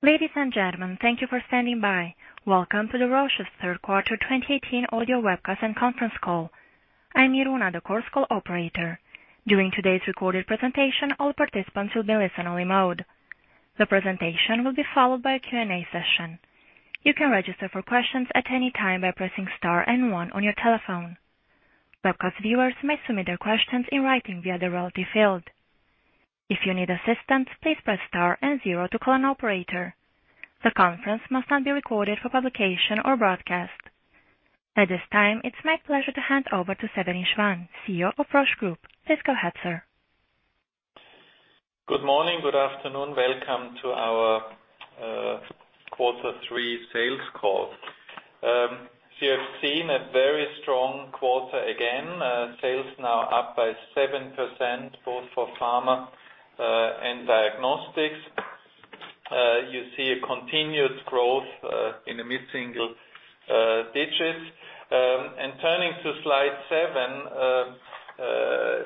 Ladies and gentlemen, thank you for standing by. Welcome to Roche's third quarter 2018 audio webcast and conference call. I'm Iruna, the Chorus Call operator. During today's recorded presentation, all participants will be listen-only mode. The presentation will be followed by a Q&A session. You can register for questions at any time by pressing star 1 on your telephone. Webcast viewers may submit their questions in writing via the relevant field. If you need assistance, please press star 0 to call an operator. The conference must not be recorded for publication or broadcast. At this time, it's my pleasure to hand over to Severin Schwan, CEO of Roche Group. Please go ahead, sir. Good morning. Good afternoon. Welcome to our third quarter sales call. We have seen a very strong quarter again. Sales now up by 7%, both for Pharma and Diagnostics. You see a continuous growth, in the mid-single digits. Turning to slide seven,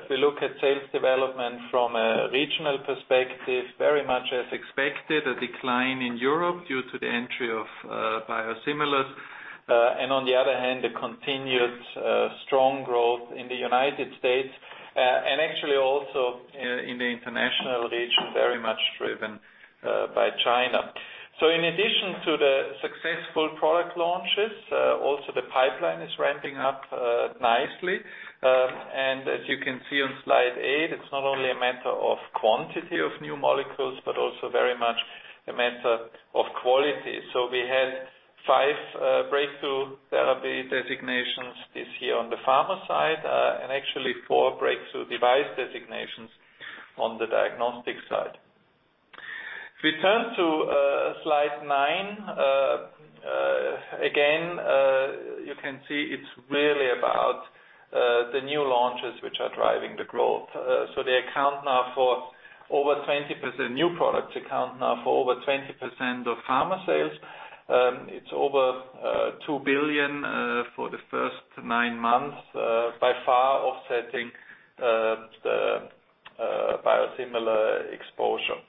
if we look at sales development from a regional perspective, very much as expected, a decline in Europe due to the entry of biosimilars. On the other hand, a continued strong growth in the U.S., and actually also in the international region, very much driven by China. In addition to the successful product launches, also the pipeline is ramping up nicely. As you can see on slide eight, it's not only a matter of quantity of new molecules but also very much a matter of quality. We had five breakthrough therapy designations this year on the Pharma side, and actually four breakthrough device designations on the Diagnostics side. If we turn to slide nine, again, you can see it's really about the new launches which are driving the growth. New products account now for over 20% of Pharma sales. It's over 2 billion for the first nine months, by far offsetting the biosimilar exposure.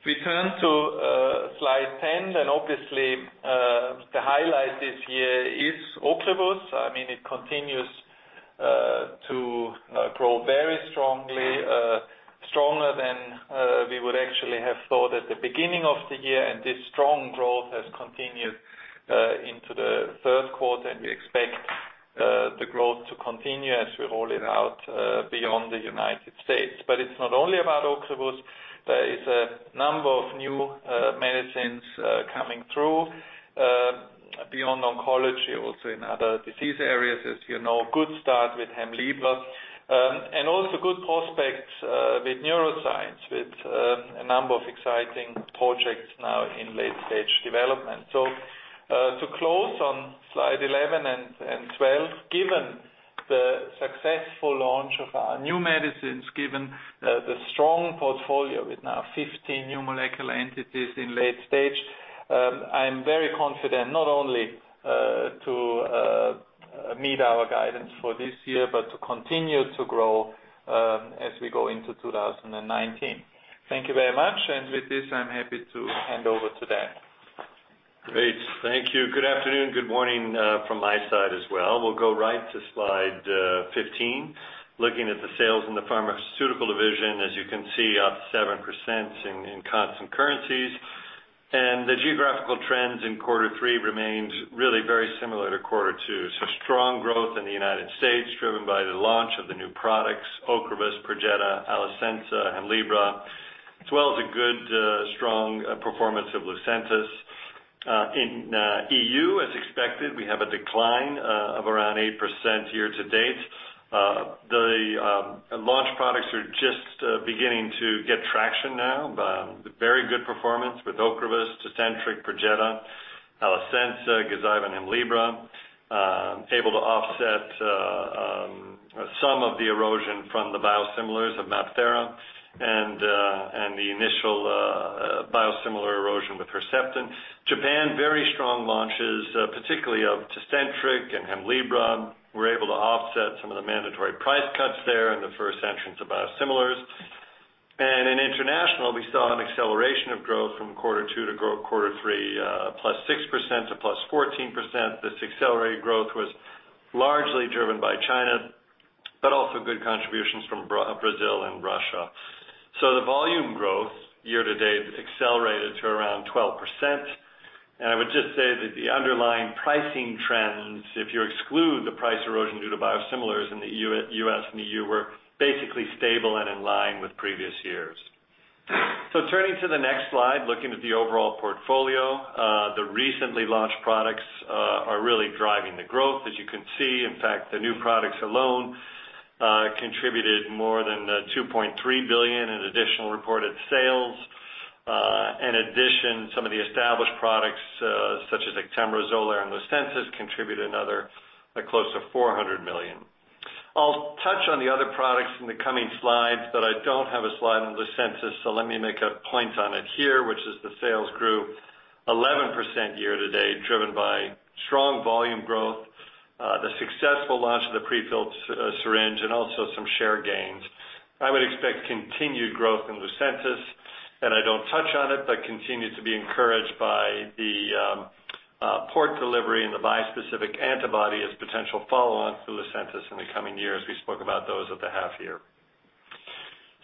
If we turn to slide 10, obviously, the highlight this year is Ocrevus. It continues to grow very strongly, stronger than we would actually have thought at the beginning of the year. This strong growth has continued into the third quarter, and we expect the growth to continue as we roll it out beyond the U.S. It's not only about Ocrevus. There is a number of new medicines coming through, beyond oncology, also in other disease areas, as you know. Good start with Hemlibra. Also good prospects with neuroscience, with a number of exciting projects now in late-stage development. To close on slide 11 and 12, given the successful launch of our new medicines, given the strong portfolio with now 15 new molecular entities in late stage, I am very confident not only to meet our guidance for this year, but to continue to grow as we go into 2019. Thank you very much. With this, I'm happy to hand over to Dan. Great. Thank you. Good afternoon. Good morning from my side as well. We'll go right to slide 15. Looking at the sales in the pharmaceutical division, as you can see, up 7% in constant currencies. The geographical trends in quarter three remains really very similar to quarter two. Strong growth in the U.S. driven by the launch of the new products, Ocrevus, Perjeta, Alecensa, Hemlibra, as well as a good strong performance of Lucentis. In EU, as expected, we have a decline of around 8% year to date. The launch products are just beginning to get traction now, but very good performance with Ocrevus, TECENTRIQ, Perjeta, Alecensa, Gazyva, and Hemlibra, able to offset some of the erosion from the biosimilars of MabThera and the initial biosimilar erosion with Herceptin. Japan, very strong launches, particularly of TECENTRIQ and Hemlibra, were able to offset some of the mandatory price cuts there in the first entrance of biosimilars. In international, we saw an acceleration of growth from quarter two to quarter three, +6% to +14%. This accelerated growth was largely driven by China, but also good contributions from Brazil and Russia. The volume growth year to date accelerated to around 12%. I would just say that the underlying pricing trends, if you exclude the price erosion due to biosimilars in the U.S. and EU, were basically stable and in line with previous years. Turning to the next slide, looking at the overall portfolio, the recently launched products are really driving the growth. As you can see, in fact, the new products alone contributed more than 2.3 billion in additional reported sales. In addition, some of the established products, such as Actemra, Xolair and Lucentis contributed another close to 400 million. I'll touch on the other products in the coming slides, but I don't have a slide on Lucentis, so let me make a point on it here, which is the sales grew 11% year to date, driven by strong volume growth. The successful launch of the prefilled syringe and also some share gains. I would expect continued growth in Lucentis, and I don't touch on it, but continue to be encouraged by the port delivery and the bispecific antibody as potential follow-on to Lucentis in the coming years. We spoke about those at the half year.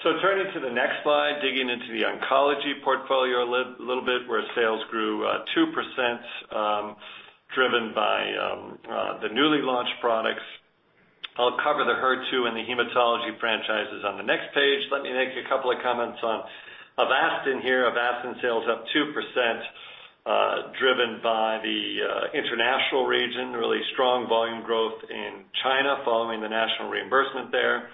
Turning to the next slide, digging into the oncology portfolio a little bit, where sales grew 2%, driven by the newly launched products. I'll cover the HER2 and the hematology franchises on the next page. Let me make a couple of comments on Avastin here. Avastin sales up 2%, driven by the international region, really strong volume growth in China following the national reimbursement there.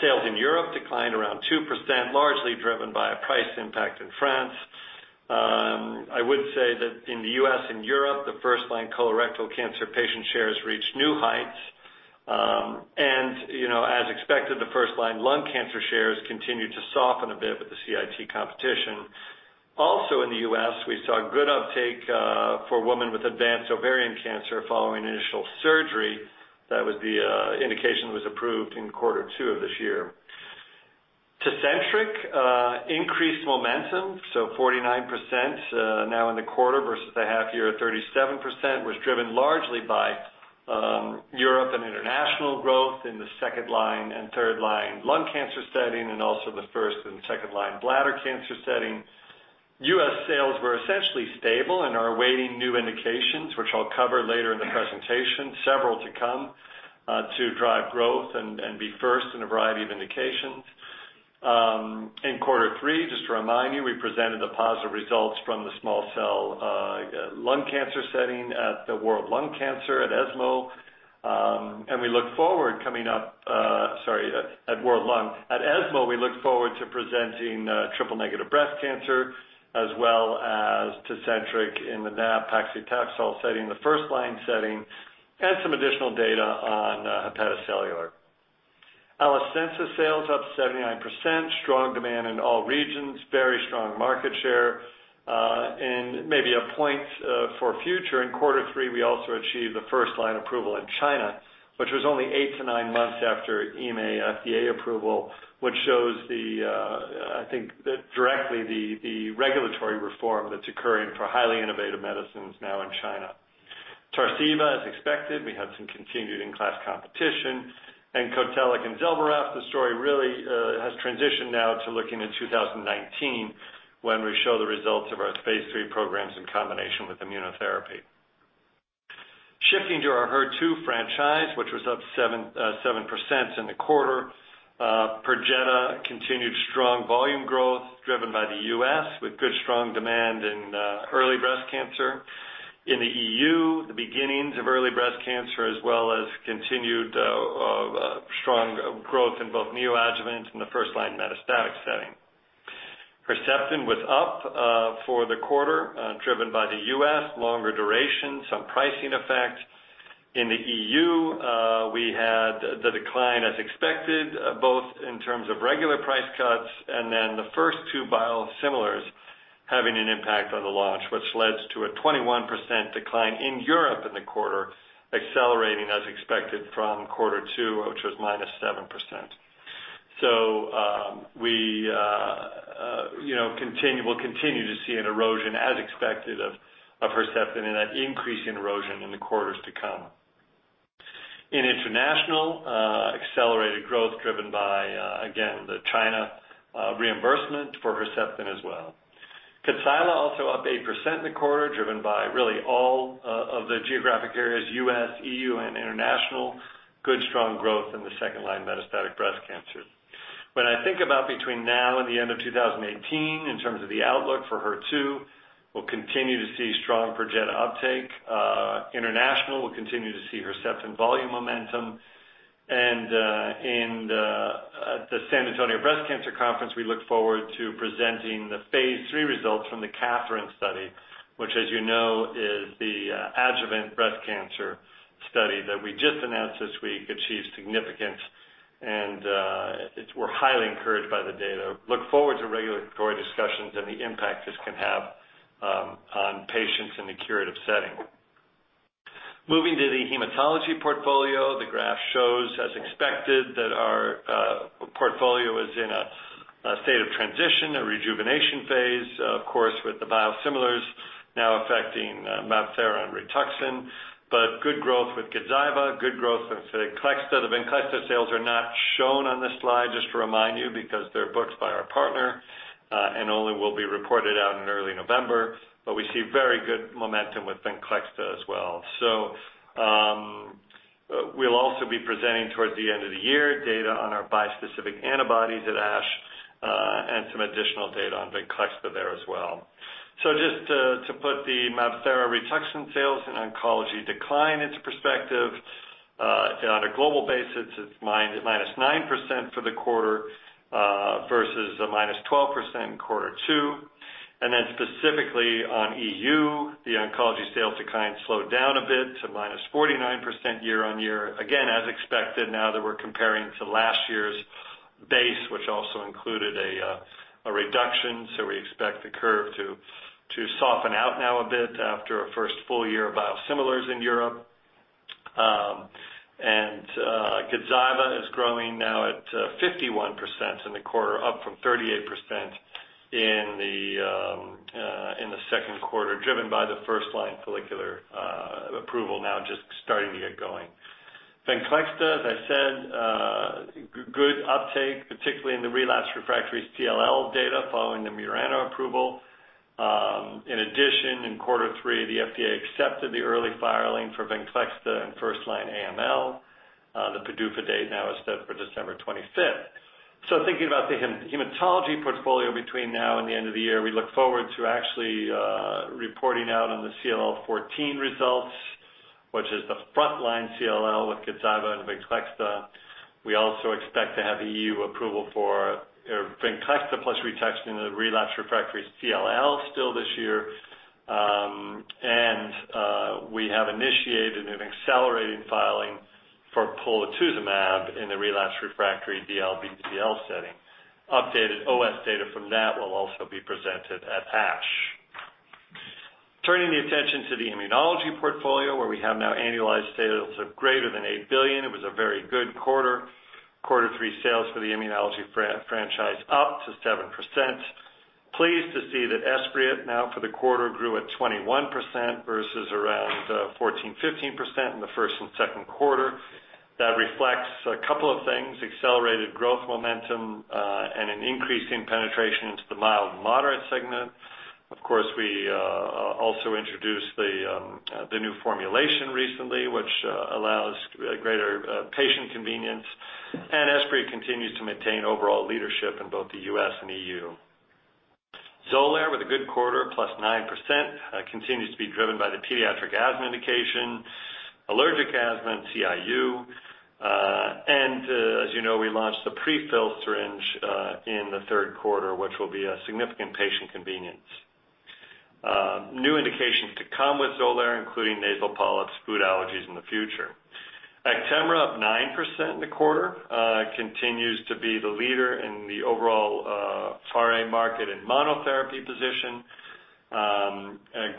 Sales in Europe declined around 2%, largely driven by a price impact in France. I would say that in the U.S. and Europe, the first-line colorectal cancer patient shares reached new heights. As expected, the first-line lung cancer shares continued to soften a bit with the CIT competition. Also in the U.S., we saw good uptake for women with advanced ovarian cancer following initial surgery. That was the indication that was approved in quarter two of this year. Tecentriq increased momentum, 49% now in the quarter versus the half year of 37%, was driven largely by Europe and international growth in the 2nd-line and 3rd-line lung cancer setting, and also the 1st-line and 2nd-line bladder cancer setting. U.S. sales were essentially stable and are awaiting new indications, which I'll cover later in the presentation, several to come, to drive growth and be first in a variety of indications. In quarter 3, just to remind you, we presented the positive results from the small cell lung cancer setting at the World Lung Cancer at ESMO. We look forward to presenting triple-negative breast cancer, as well as Tecentriq in the nab-paclitaxel setting, the 1st-line setting, and some additional data on hepatocellular. Alecensa sales up 79%, strong demand in all regions, very strong market share. Maybe a point for future, in quarter 3, we also achieved the 1st-line approval in China, which was only 8 to 9 months after EMA, FDA approval, which shows, I think, directly the regulatory reform that's occurring for highly innovative medicines now in China. Tarceva, as expected, we had some continued in-class competition. Cotellic and Zelboraf, the story really has transitioned now to looking in 2019, when we show the results of our phase III programs in combination with immunotherapy. Shifting to our HER2 franchise, which was up 7% in the quarter. Perjeta continued strong volume growth driven by the U.S., with good strong demand in early breast cancer. In the EU, the beginnings of early breast cancer, as well as continued strong growth in both neoadjuvant and the 1st-line metastatic setting. Herceptin was up for the quarter, driven by the U.S., longer duration, some pricing effects. In the EU, we had the decline as expected, both in terms of regular price cuts and then the 1st two biosimilars having an impact on the launch, which led to a 21% decline in Europe in the quarter, accelerating as expected from quarter 2, which was -7%. We'll continue to see an erosion as expected of Herceptin and an increase in erosion in the quarters to come. In international, accelerated growth driven by, again, the China reimbursement for Herceptin as well. Kadcyla also up 8% in the quarter, driven by really all of the geographic areas, U.S., EU, and international. Good strong growth in the 2nd-line metastatic breast cancer. When I think about between now and the end of 2018, in terms of the outlook for HER2, we'll continue to see strong Perjeta uptake. International will continue to see Herceptin volume momentum. At the San Antonio Breast Cancer Symposium, we look forward to presenting the phase III results from the KATHERINE study, which as you know, is the adjuvant breast cancer study that we just announced this week achieved significance. We're highly encouraged by the data. Look forward to regulatory discussions and the impact this can have on patients in the curative setting. Moving to the hematology portfolio, the graph shows, as expected, that our portfolio is in a state of transition, a rejuvenation phase. Of course, with the biosimilars now affecting MabThera and Rituxan, but good growth with Gazyva, good growth with Venclexta. The Venclexta sales are not shown on this slide, just to remind you, because they're booked by our partner, and only will be reported out in early November. We see very good momentum with Venclexta as well. We'll also be presenting toward the end of the year, data on our bispecific antibodies at ASH, and some additional data on Venclexta there as well. Just to put the MabThera/Rituxan sales and oncology decline into perspective, on a global basis, it's -9% for the quarter versus a -12% in quarter 2. Specifically on EU, the oncology sales decline slowed down a bit to -49% year-over-year. Again, as expected now that we're comparing to last year's Base, which also included a reduction, we expect the curve to soften out now a bit after a first full year of biosimilars in Europe. Gazyva is growing now at 51% in the quarter, up from 38% in the second quarter, driven by the first-line follicular approval now just starting to get going. Venclexta, as I said, good uptake, particularly in the relapsed refractory CLL data following the MURANO approval. In addition, in quarter 3, the FDA accepted the early filing for Venclexta in first-line AML. The PDUFA date now is set for December 25th. Thinking about the hematology portfolio between now and the end of the year, we look forward to actually reporting out on the CLL14 results, which is the frontline CLL with Gazyva and Venclexta. We also expect to have EU approval for Venclexta plus Rituxan in the relapsed refractory CLL still this year. We have initiated an accelerated filing for polatuzumab in the relapsed refractory DLBCL setting. Updated OS data from that will also be presented at ASH. Turning the attention to the immunology portfolio, where we have now annualized sales of greater than 8 billion, it was a very good quarter. Quarter 3 sales for the immunology franchise up to 7%. Pleased to see that Esbriet now for the quarter grew at 21% versus around 14%-15% in the first and second quarters. That reflects a couple of things: accelerated growth momentum, and an increase in penetration into the mild-to-moderate segment. Of course, we also introduced the new formulation recently, which allows greater patient convenience. Esbriet continues to maintain overall leadership in both the U.S. and EU. Xolair, with a good quarter, +9%, continues to be driven by the pediatric asthma indication, allergic asthma, and CIU. As you know, we launched the prefill syringe in the third quarter, which will be a significant patient convenience. New indications to come with Xolair, including nasal polyps, food allergies in the future. Actemra up 9% in the quarter, continues to be the leader in the overall RA market and monotherapy position.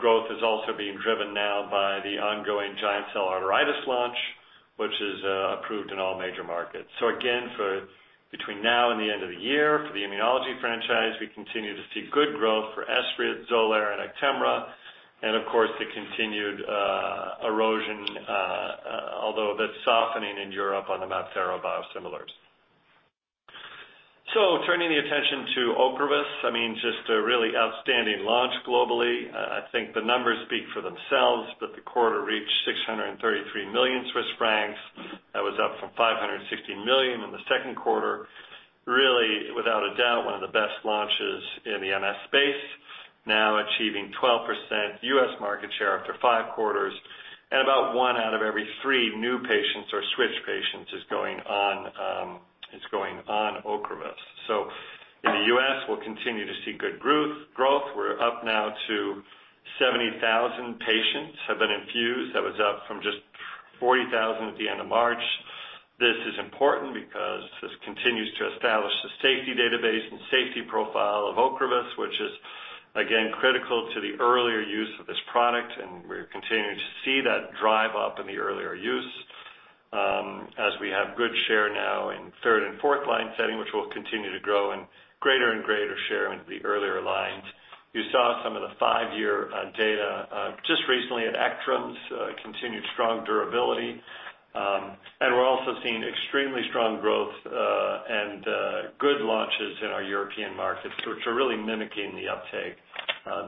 Growth is also being driven now by the ongoing giant cell arteritis launch, which is approved in all major markets. Again, for between now and the end of the year, for the immunology franchise, we continue to see good growth for Esbriet, Xolair, and Actemra, and of course, the continued erosion, although a bit softening in Europe on the MabThera biosimilars. Turning the attention to Ocrevus, just a really outstanding launch globally. I think the numbers speak for themselves, but the quarter reached 633 million Swiss francs. That was up from 560 million in the second quarter. Really, without a doubt, one of the best launches in the MS space. Now achieving 12% U.S. market share after five quarters, about 1 out of every 3 new patients or switch patients is going on Ocrevus. In the U.S., we'll continue to see good growth. We're up now to 70,000 patients have been infused. That was up from just 40,000 at the end of March. This is important because this continues to establish the safety database and safety profile of Ocrevus, which is again, critical to the earlier use of this product, and we're continuing to see that drive up in the earlier use as we have good share now in third and fourth-line setting, which will continue to grow in greater and greater share into the earlier lines. You saw some of the five-year data just recently at Actemra's continued strong durability. We're also seeing extremely strong growth, and good launches in our European markets, which are really mimicking the uptake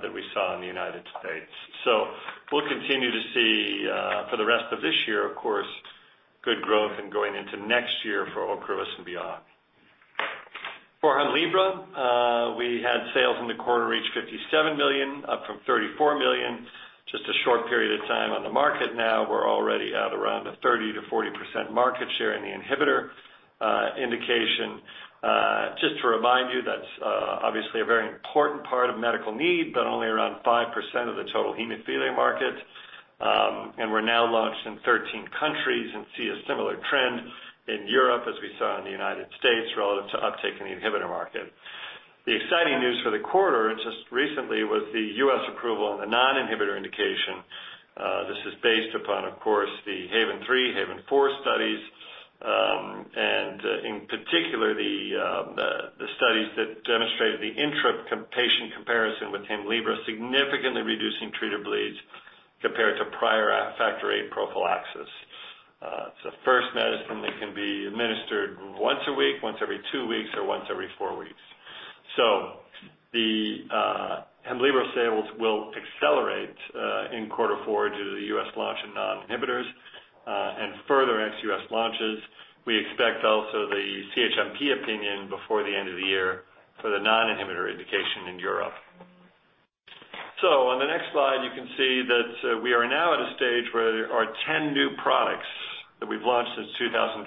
that we saw in the U.S. We'll continue to see for the rest of this year, of course, good growth and going into next year for Ocrevus and beyond. For Hemlibra, we had sales in the quarter reach 57 million, up from 34 million. Just a short period of time on the market now, we're already at around a 30%-40% market share in the inhibitor indication. Just to remind you, that's obviously a very important part of medical need, but only around 5% of the total hemophilia market. We're now launched in 13 countries and see a similar trend in Europe as we saw in the U.S. relative to uptake in the inhibitor market. The exciting news for the quarter just recently was the U.S. approval on the non-inhibitor indication. This is based upon, of course, the HAVEN 3, HAVEN 4 studies, and in particular, the studies that demonstrated the intra-patient comparison with Hemlibra significantly reducing treated bleeds compared to prior factor VIII prophylaxis. It's the first medicine that can be administered once a week, once every two weeks, or once every four weeks. The Hemlibra sales will accelerate in quarter four due to the U.S. launch of non-inhibitors, and further ex U.S. launches. We expect also the CHMP opinion before the end of the year for the non-inhibitor indication in Europe. On the next slide, you can see that we are now at a stage where there are 10 new products that we've launched since 2012,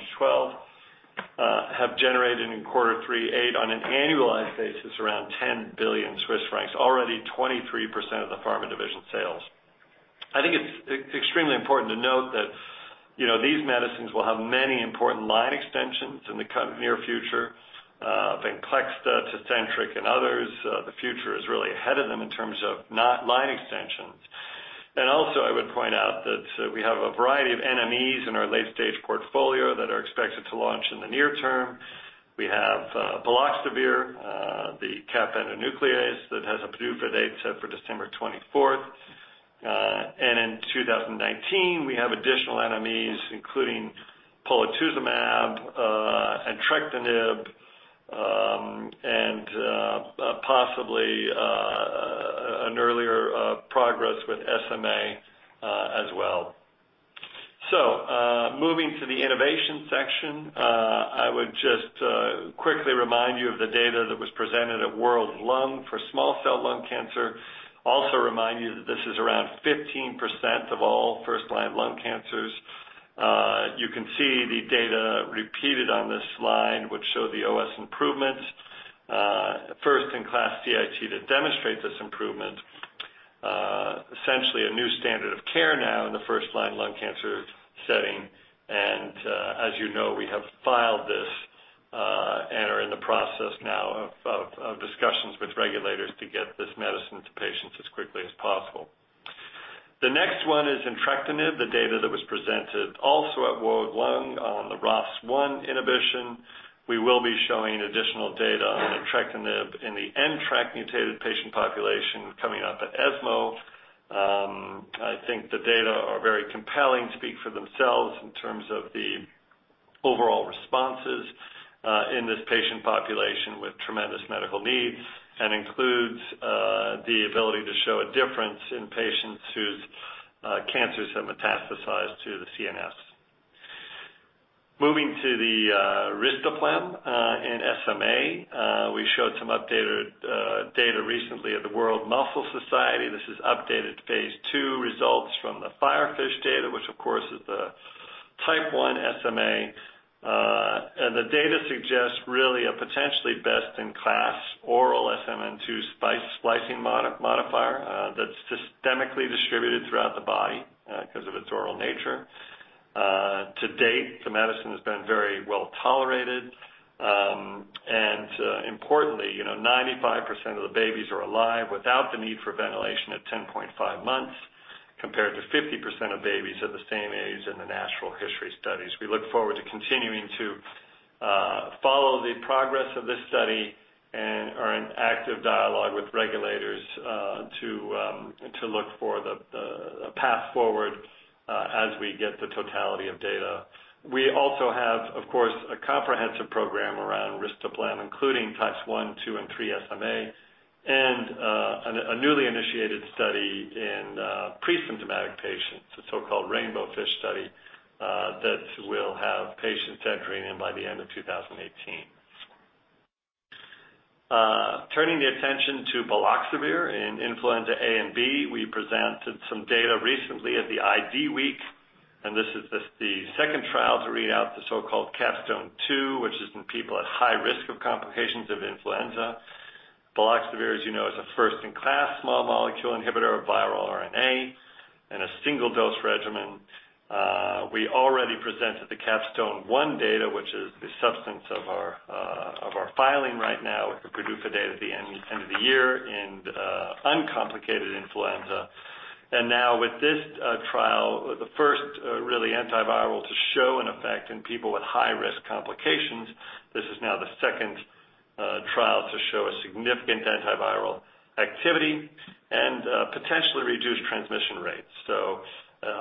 have generated in quarter three on an annualized basis around 10 billion Swiss francs, already 23% of the pharma division sales. I think it's extremely important to note that these medicines will have many important line extensions in the near future. Venclexta, TECENTRIQ, and others, the future is really ahead of them in terms of line extensions. Also, I would point out that we have a variety of NMEs in our late-stage portfolio that are expected to launch in the near term. We have baloxavir, the cap endonuclease that has a PDUFA date set for December 24th. In 2019, we have additional NMEs, including polatuzumab, entrectinib, and possibly an earlier progress with SMA as well. Moving to the innovation section, I would just quickly remind you of the data that was presented at World Lung for small cell lung cancer. Also remind you that this is around 15% of all first-line lung cancers. You can see the data repeated on this slide, which show the OS improvements. First-in-class CIT that demonstrates this improvement. Essentially a new standard of care now in the first-line lung cancer setting, and, as you know, we have filed this and are in the process now of discussions with regulators to get this medicine to patients as quickly as possible. The next one is entrectinib, the data that was presented also at World Lung on the ROS1 inhibition. We will be showing additional data on entrectinib in the NTRK-mutated patient population coming up at ESMO. I think the data are very compelling, speak for themselves in terms of the overall responses in this patient population with tremendous medical needs, and includes the ability to show a difference in patients whose cancers have metastasized to the CNS. Moving to the risdiplam in SMA. We showed some updated data recently at the World Muscle Society. This is updated phase II results from the FIREFISH data, which of course is the type 1 SMA. The data suggests really a potentially best-in-class oral SMN2 splicing modifier that's systemically distributed throughout the body because of its oral nature. To date, the medicine has been very well tolerated. Importantly, 95% of the babies are alive without the need for ventilation at 10.5 months, compared to 50% of babies at the same age in the natural history studies. We look forward to continuing to follow the progress of this study, and are in active dialogue with regulators to look for the path forward as we get the totality of data. We also have, of course, a comprehensive program around risdiplam, including types 1, 2, and 3 SMA, and a newly initiated study in presymptomatic patients, the so-called RAINBOWFISH study, that will have patients entering in by the end of 2018. Turning the attention to baloxavir in influenza A and B. We presented some data recently at the IDWeek, and this is the second trial to read out the so-called CAPSTONE-2, which is in people at high risk of complications of influenza. Baloxavir, as you know, is a first-in-class small molecule inhibitor of viral RNA in a single-dose regimen. We already presented the CAPSTONE-1 data, which is the substance of our filing right now with the PDUFA date at the end of the year in uncomplicated influenza. Now with this trial, the first really antiviral to show an effect in people with high-risk complications. This is now the second trial to show a significant antiviral activity and potentially reduce transmission rates.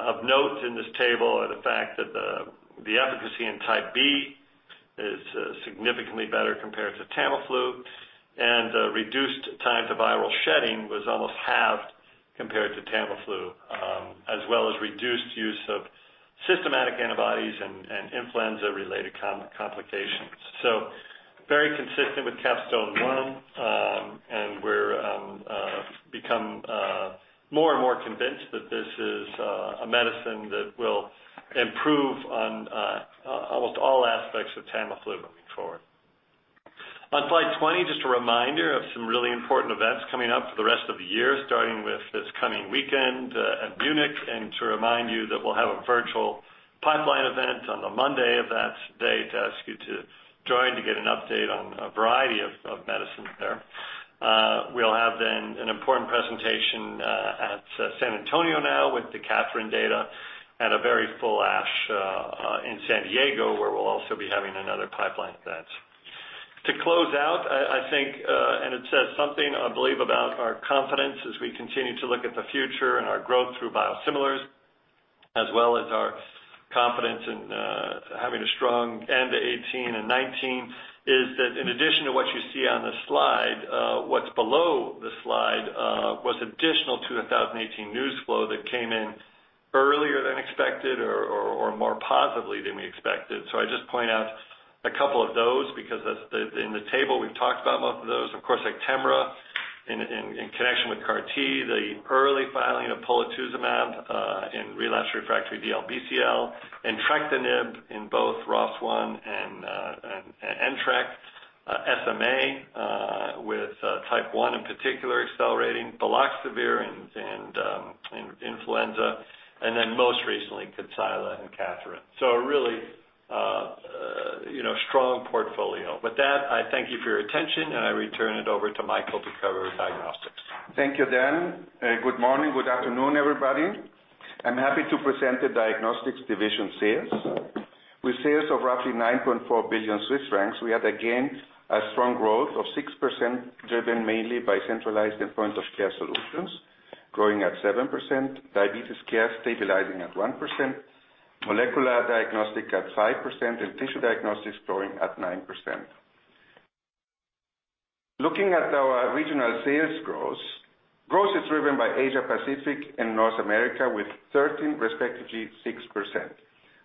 Of note in this table are the fact that the efficacy in type B is significantly better compared to Tamiflu, and the reduced time to viral shedding was almost halved compared to Tamiflu, as well as reduced use of systematic antibodies and influenza-related complications. Very consistent with CAPSTONE-1, and we're become more and more convinced that this is a medicine that will improve on almost all aspects of Tamiflu moving forward. On slide 20, just a reminder of some really important events coming up for the rest of the year, starting with this coming weekend at Munich, and to remind you that we'll have a virtual pipeline event on the Monday of that day to ask you to join to get an update on a variety of medicines there. We'll have then an important presentation at San Antonio now with the KATHERINE data, and a very full ASH in San Diego, where we'll also be having another pipeline event. To close out, I think, and it says something, I believe, about our confidence as we continue to look at the future and our growth through biosimilars, as well as our confidence in having a strong end to 2018 and 2019, is that in addition to what you see on the slide, what's below the slide was additional to the 2018 news flow that came in earlier than expected or more positively than we expected. I just point out a couple of those because in the table we've talked about most of those. Of course, Actemra in connection with CAR T, the early filing of polatuzumab in relapsed/refractory DLBCL, entrectinib in both ROS1 and NTRK, SMA with type 1 in particular accelerating. Baloxavir in influenza, and then most recently, Kadcyla and KATHERINE. A really strong portfolio. With that, I thank you for your attention, and I return it over to Michael to cover diagnostics. Thank you, Dan. Good morning. Good afternoon, everybody. I'm happy to present the diagnostics division sales. With sales of roughly 9.4 billion Swiss francs, we have again a strong growth of 6%, driven mainly by centralized and point-of-care solutions, growing at 7%, diabetes care stabilizing at 1%, molecular diagnostic at 5%, and tissue diagnostics growing at 9%. Looking at our regional sales growth is driven by Asia Pacific and North America with 13% respectively 6%.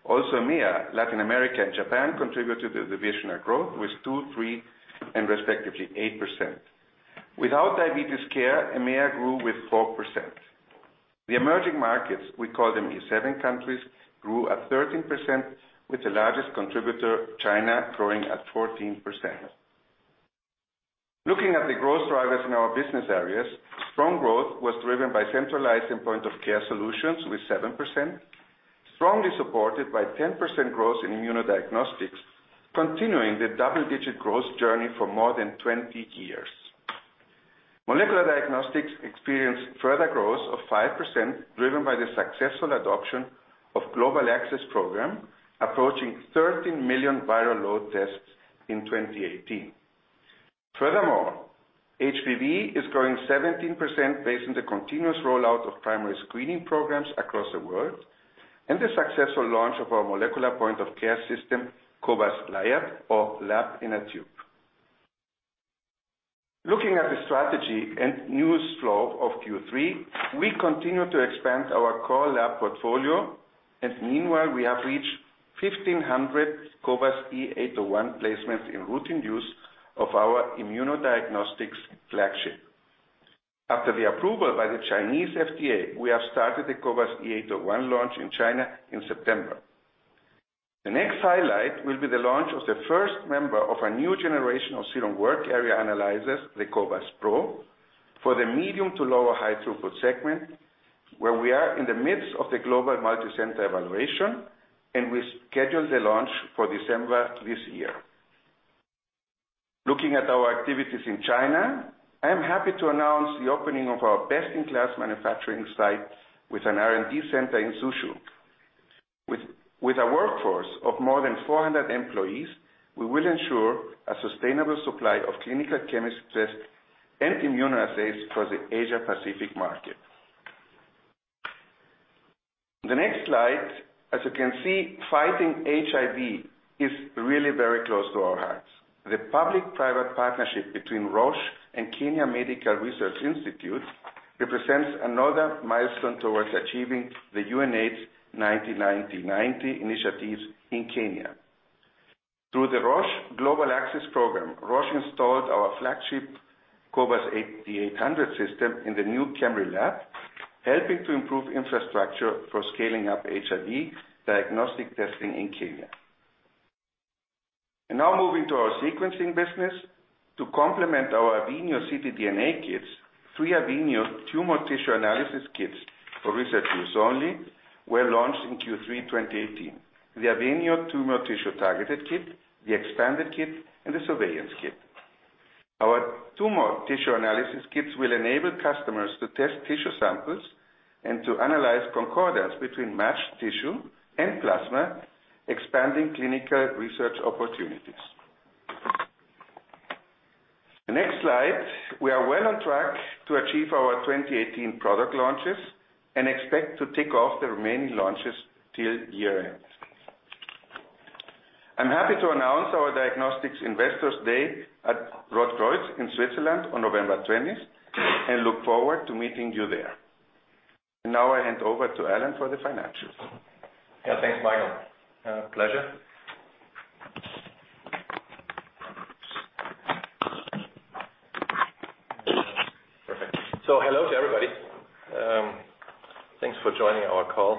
EMEA, Latin America, and Japan contribute to the divisional growth with 2%, 3% and respectively 8%. Without diabetes care, EMEA grew with 4%. The emerging markets, we call them E7 countries, grew at 13%, with the largest contributor, China, growing at 14%. Looking at the growth drivers in our business areas, strong growth was driven by centralized and point-of-care solutions with 7%, strongly supported by 10% growth in immunodiagnostics, continuing the double-digit growth journey for more than 20 years. Molecular diagnostics experienced further growth of 5%, driven by the successful adoption of Global Access Program, approaching 13 million viral load tests in 2018. Furthermore, HPV is growing 17% based on the continuous rollout of primary screening programs across the world, and the successful launch of our molecular point-of-care system, cobas Liat or lab in a tube. Looking at the strategy and news flow of Q3, we continue to expand our core lab portfolio. Meanwhile, we have reached 1,500 cobas e 801 placements in routine use of our immunodiagnostics flagship. After the approval by the Chinese FDA, we have started the cobas e 801 launch in China in September. The next highlight will be the launch of the first member of a new generation of serum work area analyzers, the cobas pro, for the medium to lower high throughput segment, where we are in the midst of the global multi-center evaluation. We schedule the launch for December this year. Looking at our activities in China, I am happy to announce the opening of our best-in-class manufacturing site with an R&D center in Suzhou. With a workforce of more than 400 employees, we will ensure a sustainable supply of clinical chemist tests and immunoassays for the Asia Pacific market. The next slide, as you can see, fighting HIV is really very close to our hearts. The public-private partnership between Roche and Kenya Medical Research Institute represents another milestone towards achieving the UNAIDS 90-90-90 initiatives in Kenya. Through the Roche Global Access Program, Roche installed our flagship cobas 8800 system in the new KEMRI lab, helping to improve infrastructure for scaling up HIV diagnostic testing in Kenya. Now moving to our sequencing business. To complement our AVENIO ctDNA kits, three AVENIO tumor tissue analysis kits for research use only were launched in Q3 2018. The AVENIO tumor tissue targeted kit, the expanded kit, and the surveillance kit. Our tumor tissue analysis kits will enable customers to test tissue samples and to analyze concordance between matched tissue and plasma, expanding clinical research opportunities. The next slide, we are well on track to achieve our 2018 product launches and expect to tick off the remaining launches till year-end. I'm happy to announce our Diagnostics Investor Day at Rotkreuz in Switzerland on November 20th and look forward to meeting you there. Now I hand over to Alan for the financials. Yeah. Thanks, Michael. Pleasure. Perfect. Hello to everybody. Thanks for joining our call.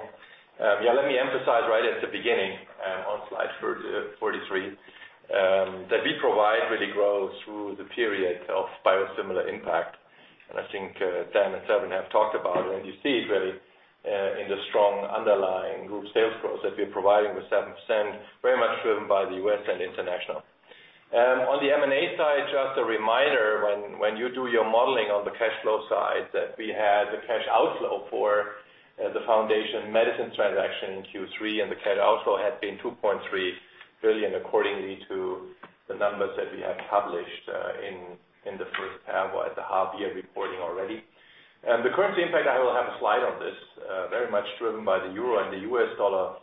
Let me emphasize right at the beginning, on slide 43, that we provide really growth through the period of biosimilar impact. I think Dan and Severin have talked about, and you see it really in the strong underlying group sales growth that we're providing with 7%, very much driven by the U.S. and international. On the M&A side, just a reminder, when you do your modeling on the cash flow side, that we had the cash outflow for the Foundation Medicine transaction in Q3, and the cash outflow had been 2.3 billion, accordingly to the numbers that we have published in the first half or at the half year reporting already. The currency impact, I will have a slide on this, very much driven by the euro and the U.S. dollar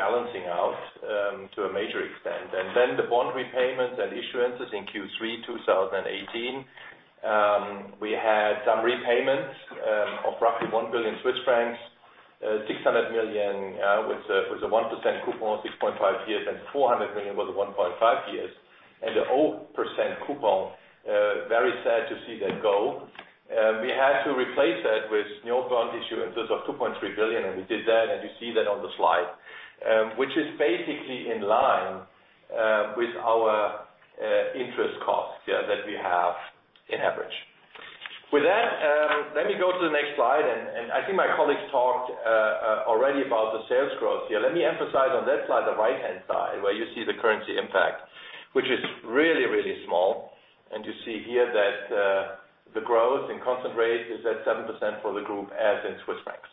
balancing out to a major extent. The bond repayments and issuances in Q3 2018. We had some repayments of roughly 1 billion Swiss francs, 600 million with a 1% coupon, 6.5 years, and 400 million with a 1.5 years. The 0% coupon, very sad to see that go We had to replace that with new bond issuance of 2.3 billion, we did that, and you see that on the slide, which is basically in line with our interest cost that we have in average. With that, let me go to the next slide, I think my colleagues talked already about the sales growth here. Let me emphasize on that slide, the right-hand side, where you see the currency impact, which is really, really small. You see here that the growth in constant rate is at 7% for the group, as in Swiss francs.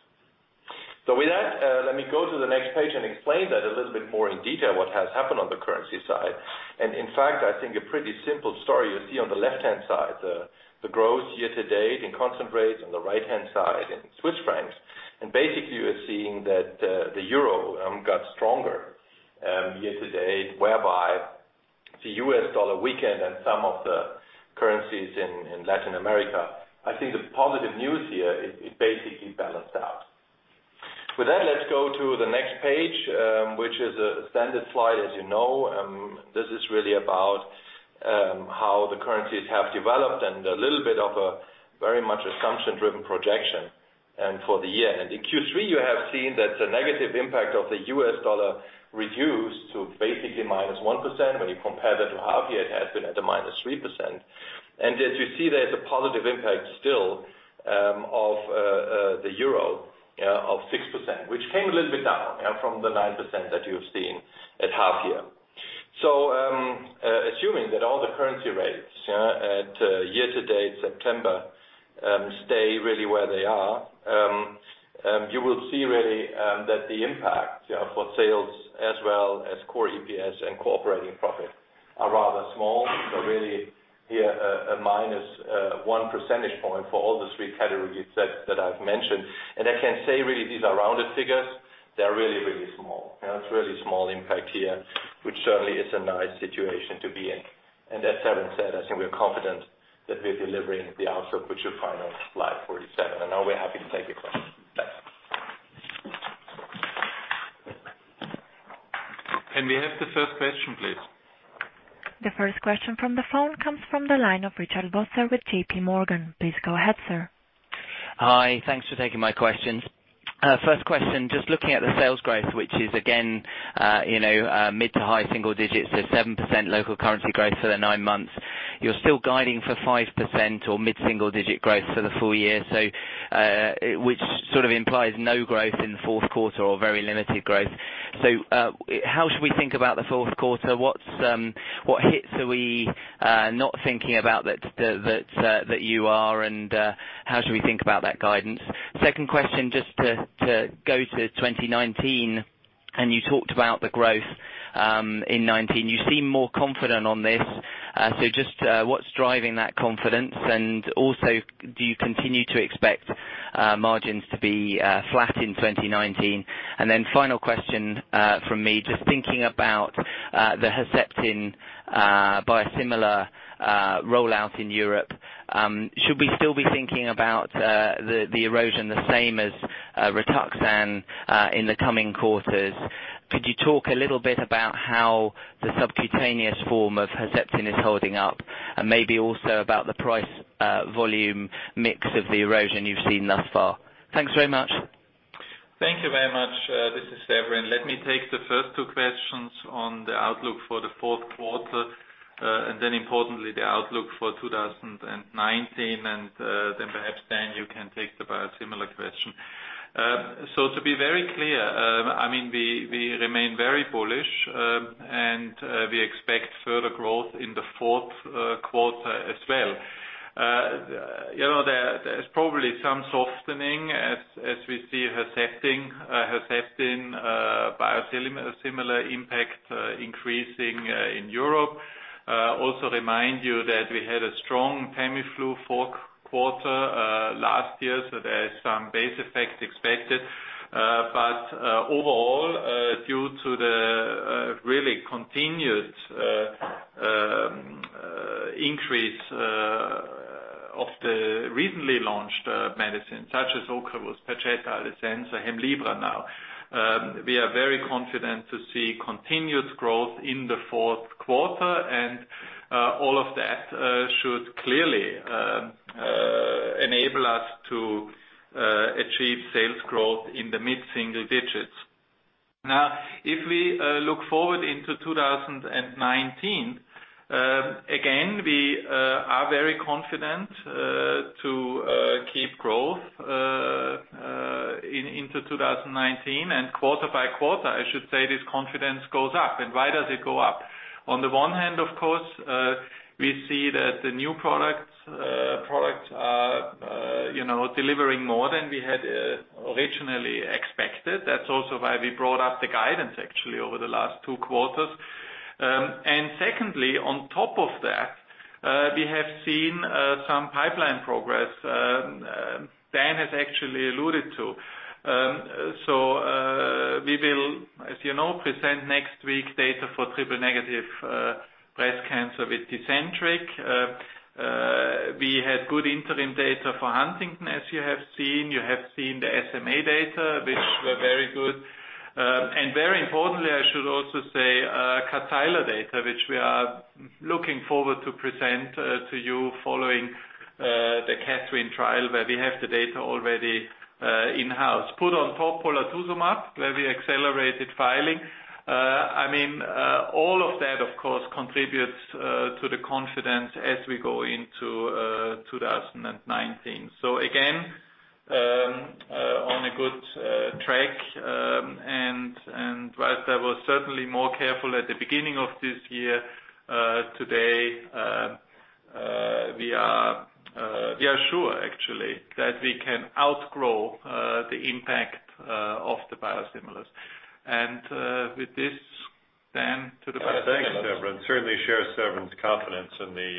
With that, let me go to the next page and explain that a little bit more in detail what has happened on the currency side. In fact, I think a pretty simple story. You see on the left-hand side, the growth year-to-date in constant rates, on the right-hand side in Swiss francs. Basically, you are seeing that the euro got stronger year-to-date, whereby the U.S. dollar weakened and some of the currencies in Latin America. I think the positive news here, it basically balanced out. With that, let's go to the next page, which is a standard slide, as you know. This is really about how the currencies have developed and a little bit of a very much assumption-driven projection for the year. In Q3, you have seen that the negative impact of the U.S. dollar reduced to basically -1%. When you compare that to half year, it has been at -3%. As you see, there's a positive impact still of the EUR 6%, which came a little bit down from the 9% that you have seen at half year. Assuming that all the currency rates at year-to-date September stay really where they are, you will see really that the impact for sales as well as core EPS and core operating profit are rather small. Really here, a minus one percentage point for all the three categories that I've mentioned. I can say, really, these are rounded figures. They're really, really small. It's a really small impact here, which certainly is a nice situation to be in. As Severin said, I think we are confident that we're delivering the outlook, which you'll find on slide 47, and now we're happy to take your questions. Thanks. Can we have the first question, please? The first question from the phone comes from the line of Richard Vosser with JPMorgan. Please go ahead, sir. Hi. Thanks for taking my questions. First question, just looking at the sales growth, which is again mid to high single digits, so 7% local currency growth for the nine months. You're still guiding for 5% or mid-single digit growth for the full year, which sort of implies no growth in the fourth quarter or very limited growth. How should we think about the fourth quarter? What hits are we not thinking about that you are, and how should we think about that guidance? Second question, just to go to 2019, and you talked about the growth in 2019. You seem more confident on this. Just what's driving that confidence? Also, do you continue to expect margins to be flat in 2019? Then final question from me, just thinking about the Herceptin biosimilar rollout in Europe. Should we still be thinking about the erosion the same as Rituxan in the coming quarters? Could you talk a little bit about how the subcutaneous form of Herceptin is holding up and maybe also about the price volume mix of the erosion you've seen thus far? Thanks very much. Thank you very much. This is Severin. Let me take the first two questions on the outlook for the fourth quarter, then importantly, the outlook for 2019, then perhaps Dan, you can take the biosimilar question. To be very clear, we remain very bullish, and we expect further growth in the fourth quarter as well. There's probably some softening as we see Herceptin biosimilar impact increasing in Europe. Remind you that we had a strong Tamiflu fourth quarter last year, there is some base effect expected. Overall, due to the really continued increase of the recently launched medicines such as Ocrevus, Perjeta, Alecensa, Hemlibra now. We are very confident to see continued growth in the fourth quarter and all of that should clearly enable us to achieve sales growth in the mid-single digits. If we look forward into 2019, again, we are very confident to keep growth into 2019 and quarter by quarter, I should say, this confidence goes up. Why does it go up? On the one hand, of course, we see that the new products are delivering more than we had originally expected. That's also why we brought up the guidance actually over the last two quarters. Secondly, on top of that, we have seen some pipeline progress Dan has actually alluded to. We will, as you know, present next week data for triple-negative breast cancer with TECENTRIQ. We had good interim data for Huntington's, as you have seen. You have seen the SMA data, which were very good. Very importantly, I should also say, Kadcyla data, which we are looking forward to present to you following the KATHERINE trial where we have the data already in-house. Put on top polatuzumab, where we accelerated filing. All of that, of course, contributes to the confidence as we go into 2019. Again, on a good track, whilst I was certainly more careful at the beginning of this year, today we are sure, actually, that we can outgrow the impact of the biosimilars. With this, then to the biosimilars. Thanks, Severin. Certainly share Severin's confidence in the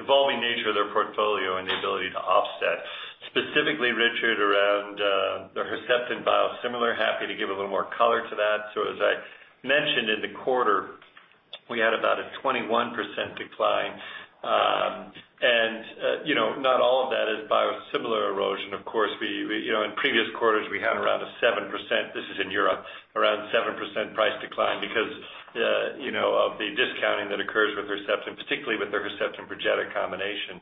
evolving nature of their portfolio and the ability to offset. Specifically, Richard, around the Herceptin biosimilar. Happy to give a little more color to that. As I mentioned in the quarter, we had about a 21% decline. Not all of that is biosimilar erosion, of course. In previous quarters, we had around a 7%, this is in Europe, around 7% price decline because of the discounting that occurs with Herceptin, particularly with the Herceptin Perjeta combination.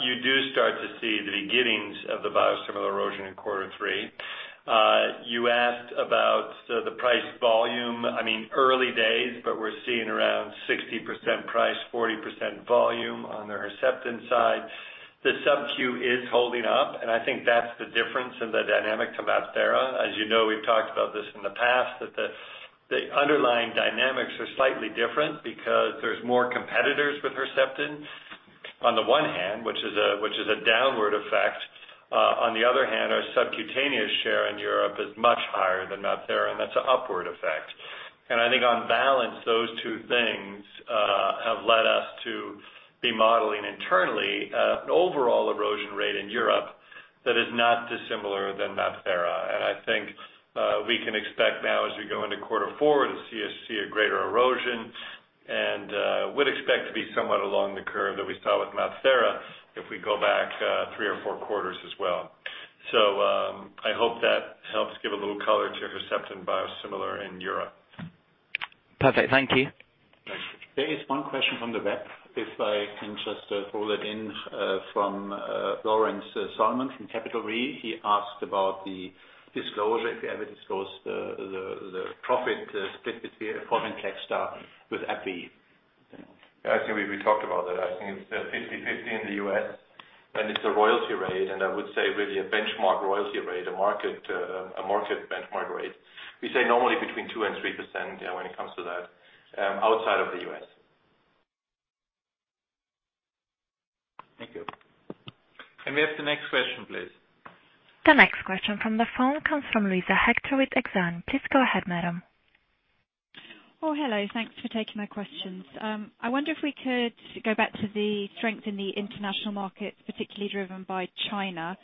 You do start to see the beginnings of the biosimilar erosion in quarter three. You asked about the price volume. Early days, but we're seeing around 60% price, 40% volume on the Herceptin side. The sub-Q is holding up, and I think that's the difference in the dynamic to MabThera. As you know, we've talked about this in the past, that the underlying dynamics are slightly different because there's more competitors with Herceptin on the one hand, which is a downward effect. On the other hand, our subcutaneous share in Europe is much higher than MabThera, and that's an upward effect. I think on balance, those two things have led us to be modeling internally an overall erosion rate in Europe that is not dissimilar than MabThera. I think we can expect now as we go into quarter four to see a greater erosion and would expect to be somewhat along the curve that we saw with MabThera if we go back three or four quarters as well. I hope that helps give a little color to Herceptin biosimilar in Europe. Perfect. Thank you. Thank you. There is one question from the web, if I can just fold it in from Lawrence Solomon from Capital Re. He asked about the disclosure, if you ever disclose the profit split between Venclexta with AbbVie. I think we talked about that. I think it's 50/50 in the U.S. It's a royalty rate, I would say really a benchmark royalty rate, a market benchmark rate. We say normally between 2% and 3% when it comes to that outside of the U.S. Thank you. Can we have the next question, please? The next question from the phone comes from Luisa Hector with Exane. Please go ahead, madam. Hello. Thanks for taking my questions. I wonder if we could go back to the strength in the international markets, particularly driven by China.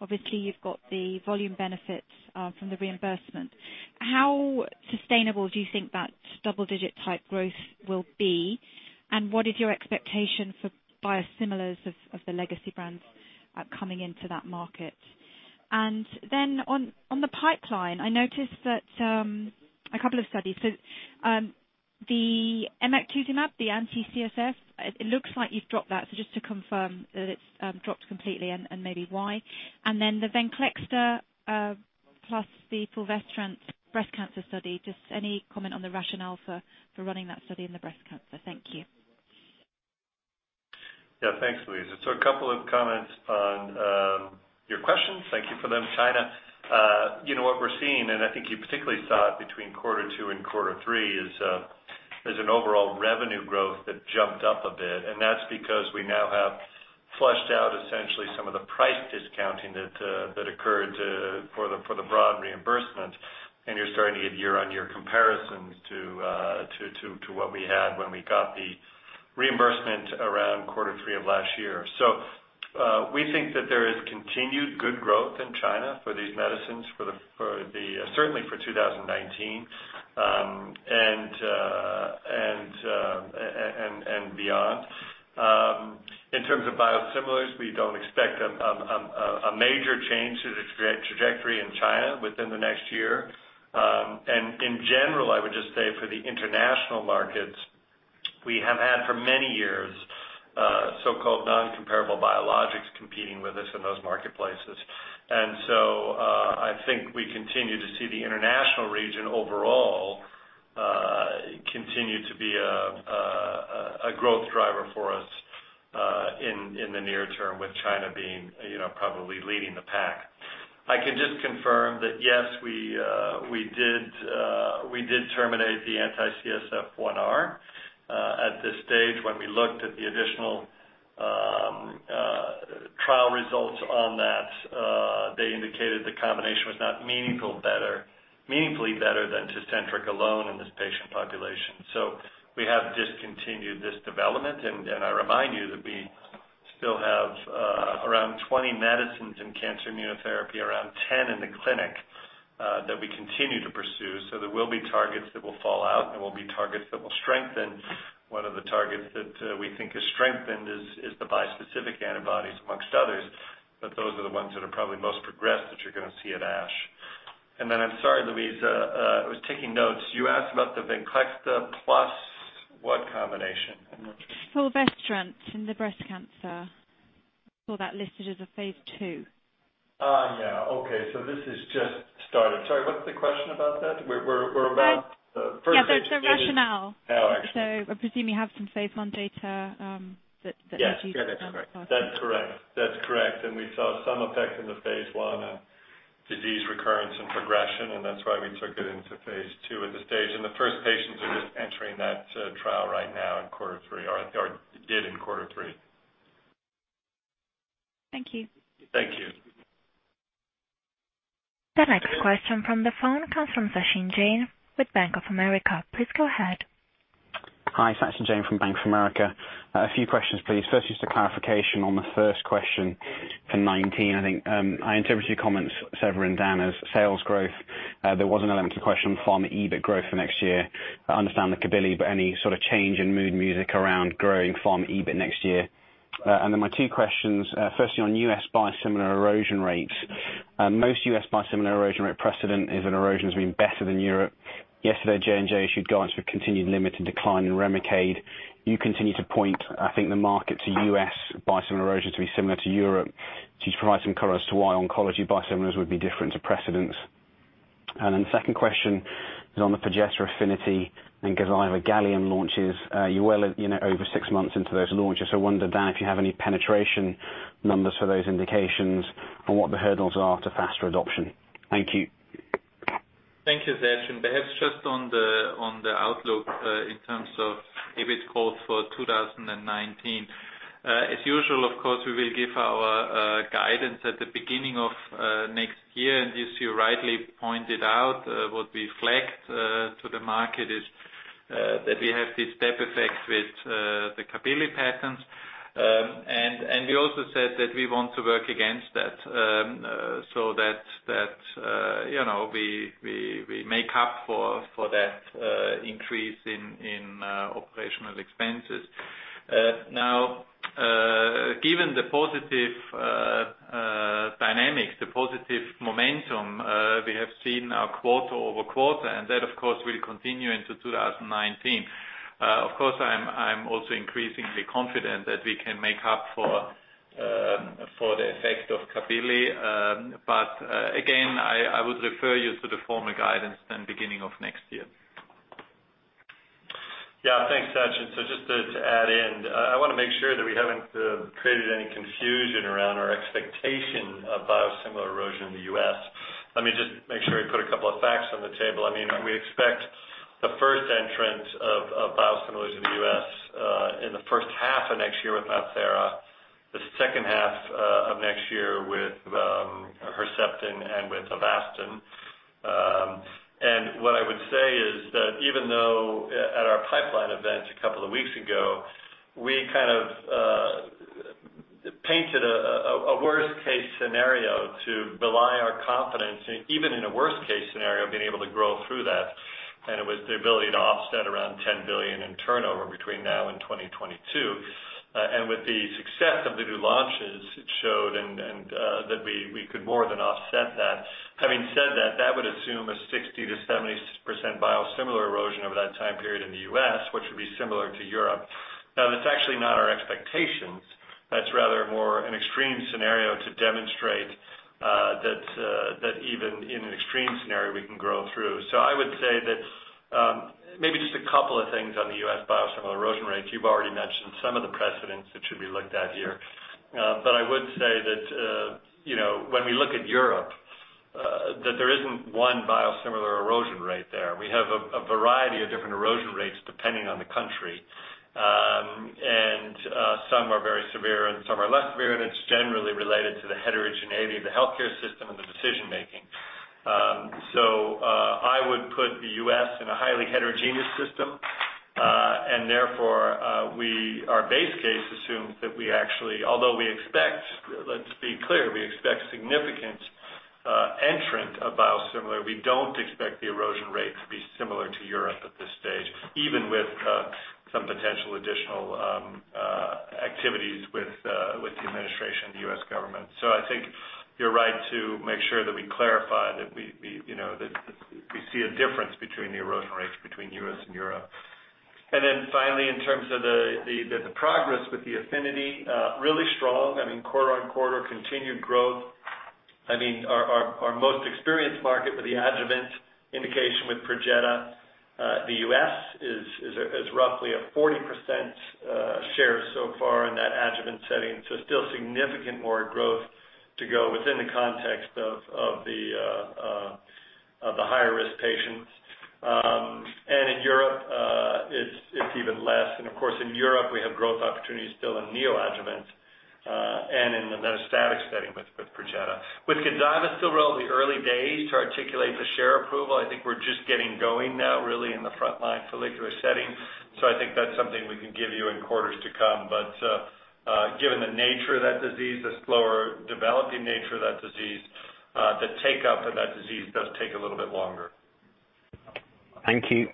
Obviously, you've got the volume benefits from the reimbursement. How sustainable do you think that double-digit type growth will be? What is your expectation for biosimilars of the legacy brands coming into that market? On the pipeline, I noticed that a couple of studies. The emactuzumab, the anti-CSF1R, it looks like you've dropped that. Just to confirm that it's dropped completely and maybe why. The Venclexta plus the fulvestrant breast cancer study, just any comment on the rationale for running that study in the breast cancer. Thank you. Thanks, Lisa. A couple of comments on your questions. Thank you for them. China, what we're seeing, and I think you particularly saw it between quarter 2 and quarter 3, is there's an overall revenue growth that jumped up a bit, and that's because we now have flushed out essentially some of the price discounting that occurred for the broad reimbursement, and you're starting to get year-on-year comparisons to what we had when we got the reimbursement around quarter 3 of last year. We think that there is continued good growth in China for these medicines, certainly for 2019 and beyond. In terms of biosimilars, we don't expect a major change to the trajectory in China within the next year. In general, I would just say for the international markets, we have had for many years so-called non-comparable biologics competing with us in those marketplaces. I think we continue to see the international region overall continue to be a growth driver for us, in the near term with China being probably leading the pack. I can just confirm that, yes, we did terminate the anti-CSF1R. At this stage, when we looked at the additional trial results on that, they indicated the combination was not meaningfully better than TECENTRIQ alone in this patient population. We have discontinued this development, and I remind you that we still have around 20 medicines in cancer immunotherapy, around 10 in the clinic that we continue to pursue. There will be targets that will fall out, there will be targets that will strengthen. One of the targets that we think is strengthened is the bispecific antibodies, amongst others. Those are the ones that are probably most progressed that you're going to see at ASH. I'm sorry, Luisa. I was taking notes. You asked about the Venclexta plus what combination? I'm not sure. Palbociclib in the breast cancer. Saw that listed as a phase II. Yeah. Okay. This has just started. Sorry, what's the question about that? Yeah, the rationale. Oh, actually. I presume you have some phase I data. Yeah, that's correct. That's correct. We saw some effect in the phase I on disease recurrence and progression, and that's why we took it into phase II at this stage. The first patients are just entering that trial right now in quarter three, or did in quarter three. Thank you. Thank you. The next question from the phone comes from Sachin Jain with Bank of America. Please go ahead. Hi. Sachin Jain from Bank of America. A few questions, please. First, just a clarification on the first question for 2019, I think. I interpreted your comments, Severin, down as sales growth. There was an unrelated question on pharma EBIT growth for next year. I understand the Cabilly, but any sort of change in mood music around growing pharma EBIT next year? My two questions, firstly on U.S. biosimilar erosion rates. Most U.S. biosimilar erosion rate precedent is that erosion has been better than Europe. Yesterday, J&J issued guidance for continued limited decline in REMICADE. You continue to point, I think, the market to U.S. biosimilar erosion to be similar to Europe. Could you provide some color as to why oncology biosimilars would be different to precedents? The second question is on the Perjeta APHINITY and Gazyva GALLIUM launches. You're well over six months into those launches. I wonder, Dan, if you have any penetration numbers for those indications, and what the hurdles are to faster adoption. Thank you. Thank you, Sachin. Perhaps just on the outlook, in terms of EBIT growth for 2019. As usual, of course, we will give our guidance at the beginning of next year. As you rightly pointed out, what we flagged to the market is that we have this step effect with the Cabilly patents. We also said that we want to work against that, so that we make up for that increase in operational expenses. Given the positive dynamics, the positive momentum we have seen now quarter-over-quarter, and that of course will continue into 2019. I'm also increasingly confident that we can make up for the effect of Cabilly. Again, I would refer you to the formal guidance in beginning of next year. Thanks, Sachin. Just to add in. I want to make sure that we haven't created any confusion around our expectation of biosimilar erosion in the U.S. Let me just make sure we put a couple of facts on the table. We expect the first entrance of biosimilars in the U.S. in the first half of next year with Lucentis, the second half of next year with Herceptin and with Avastin. Even though at our pipeline event a couple of weeks ago, we kind of painted a worst-case scenario to belie our confidence, even in a worst-case scenario, being able to grow through that, and it was the ability to offset around 10 billion in turnover between now and 2022. With the success of the new launches, it showed that we could more than offset that. Having said that would assume a 60%-70% biosimilar erosion over that time period in the U.S., which would be similar to Europe. That's actually not our expectations. That's rather more an extreme scenario to demonstrate that even in an extreme scenario, we can grow through. I would say that maybe just a couple of things on the U.S. biosimilar erosion rates. You've already mentioned some of the precedents that should be looked at here. But I would say that when we look at Europe, that there isn't one biosimilar erosion rate there. We have a variety of different erosion rates depending on the country. Some are very severe and some are less severe, and it's generally related to the heterogeneity of the healthcare system and the decision-making. So I would put the U.S. in a highly heterogeneous system. Therefore, our base case assumes that we actually, although we expect, let's be clear, we expect significant entrant of biosimilar, we don't expect the erosion rate to be similar to Europe at this stage, even with some potential additional activities with the administration, the U.S. government. I think you're right to make sure that we clarify that we see a difference between the erosion rates between the U.S. and Europe. Finally, in terms of the progress with the APHINITY, really strong, quarter-on-quarter, continued growth. Our most experienced market with the adjuvant indication with Perjeta, the U.S. is roughly a 40% share so far in that adjuvant setting, so still significant more growth to go within the context of the higher-risk patients. In Europe, it's even less. Of course, in Europe, we have growth opportunities still in neoadjuvant and in the metastatic setting with Perjeta. With Gazyva, still relatively early days to articulate the share approval. I think we're just getting going now really in the frontline follicular setting. So I think that's something we can give you in quarters to come. But given the nature of that disease, the slower developing nature of that disease, the take-up of that disease does take a little bit longer. Thank you.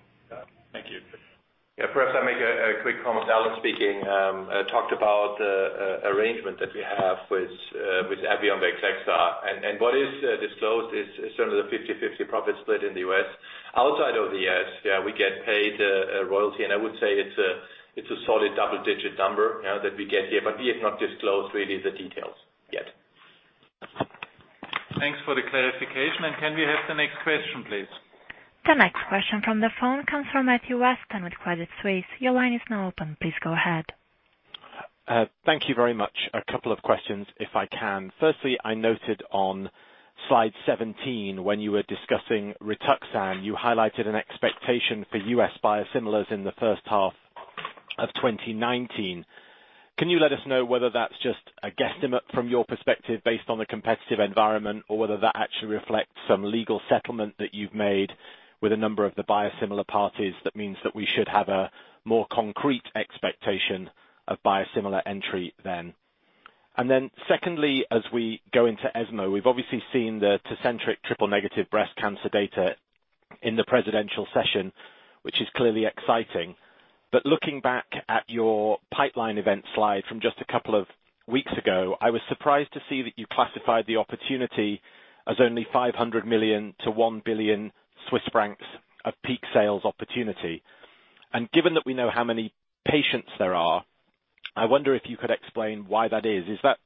A quick comment, Alan speaking. I talked about the arrangement that we have with AbbVie on Venclexta, and what is disclosed is certainly the 50/50 profit split in the U.S. Outside of the U.S., yeah, we get paid a royalty, and I would say it's a solid double-digit number that we get here, but we have not disclosed really the details yet. Thanks for the clarification. Can we have the next question, please? The next question from the phone comes from Matthew Weston with Credit Suisse. Your line is now open. Please go ahead. Thank you very much. A couple of questions if I can. Firstly, I noted on slide 17 when you were discussing Rituxan, you highlighted an expectation for U.S. biosimilars in the first half of 2019. Can you let us know whether that's just a guesstimate from your perspective based on the competitive environment, or whether that actually reflects some legal settlement that you've made with a number of the biosimilar parties that means that we should have a more concrete expectation of biosimilar entry then? Secondly, as we go into ESMO, we've obviously seen the TECENTRIQ triple negative breast cancer data in the presidential session, which is clearly exciting. Looking back at your pipeline event slide from just a couple of weeks ago, I was surprised to see that you classified the opportunity as only 500 million to 1 billion Swiss francs of peak sales opportunity. Given that we know how many patients there are, I wonder if you could explain why that is. Is that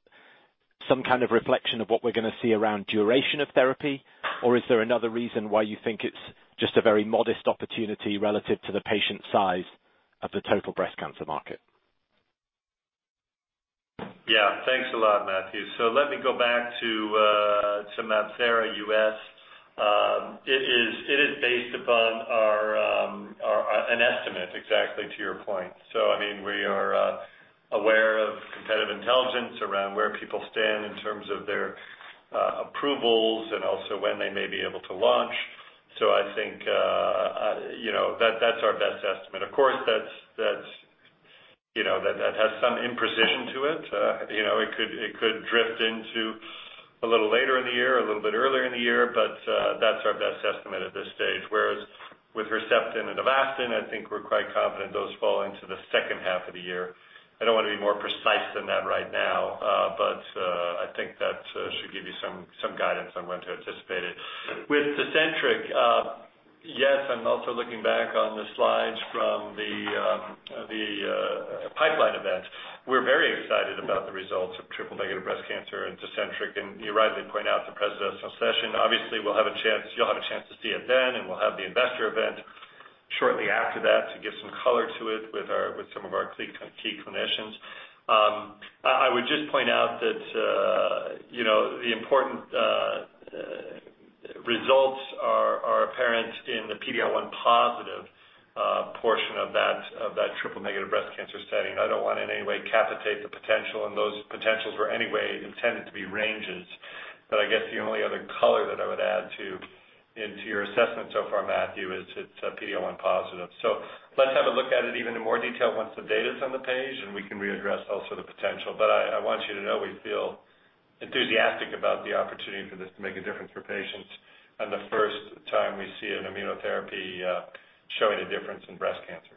some kind of reflection of what we're going to see around duration of therapy, or is there another reason why you think it's just a very modest opportunity relative to the patient size of the total breast cancer market? Thanks a lot, Matthew. Let me go back to MabThera U.S. It is based upon an estimate exactly to your point. We are aware of competitive intelligence around where people stand in terms of their approvals and also when they may be able to launch. I think that's our best estimate. Of course, that has some imprecision to it. It could drift into a little later in the year, a little bit earlier in the year, but that's our best estimate at this stage. Whereas with Herceptin and Avastin, I think we're quite confident those fall into the second half of the year. I don't want to be more precise than that right now. I think that should give you some guidance on when to anticipate it. With TECENTRIQ, yes, I'm also looking back on the slides from the pipeline event. We're very excited about the results of triple negative breast cancer and TECENTRIQ, and you rightly point out the presidential session. Obviously, you'll have a chance to see it then, and we'll have the investor event shortly after that to give some color to it with some of our key clinicians. I would just point out that the important results are apparent in the PD-L1 positive portion of that triple negative breast cancer setting. I don't want in any way cap the potential and those potentials were any way intended to be ranges. I guess the only other color that I would add into your assessment so far, Matthew, is it's PD-L1 positive. Let's have a look at it even in more detail once the data's on the page, and we can readdress also the potential. I want you to know we feel enthusiastic about the opportunity for this to make a difference for patients, and the first time we see an immunotherapy showing a difference in breast cancer.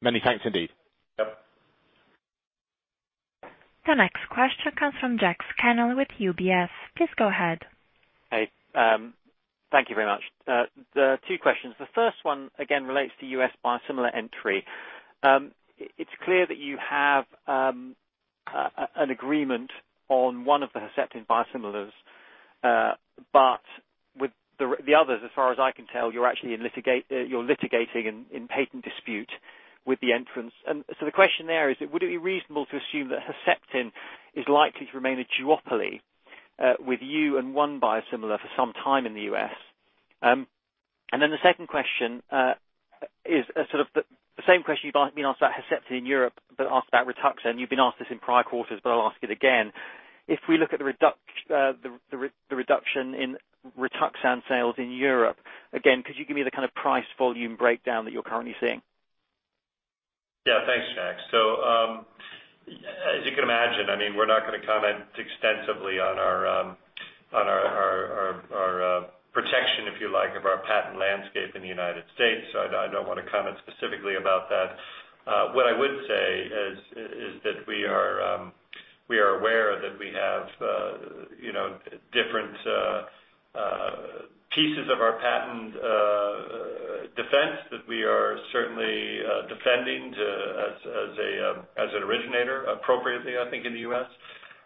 Many thanks, indeed. Yep. The next question comes from Jack Scannell with UBS. Please go ahead. Hey. Thank you very much. Two questions. The first one, again, relates to U.S. biosimilar entry. It's clear that you have an agreement on one of the Herceptin biosimilars, with the others, as far as I can tell, you're litigating in patent dispute with the entrants. The question there is, would it be reasonable to assume that Herceptin is likely to remain a duopoly, with you and one biosimilar for some time in the U.S.? The second question is sort of the same question you've been asked about Herceptin in Europe, but asked about Rituxan. You've been asked this in prior quarters, but I'll ask it again. If we look at the reduction in Rituxan sales in Europe, again, could you give me the kind of price volume breakdown that you're currently seeing? Thanks, Jack. As you can imagine, we're not going to comment extensively on our protection, if you like, of our patent landscape in the U.S. I don't want to comment specifically about that. What I would say is that we are aware that we have different pieces of our patent defense that we are certainly defending as an originator, appropriately, I think, in the U.S.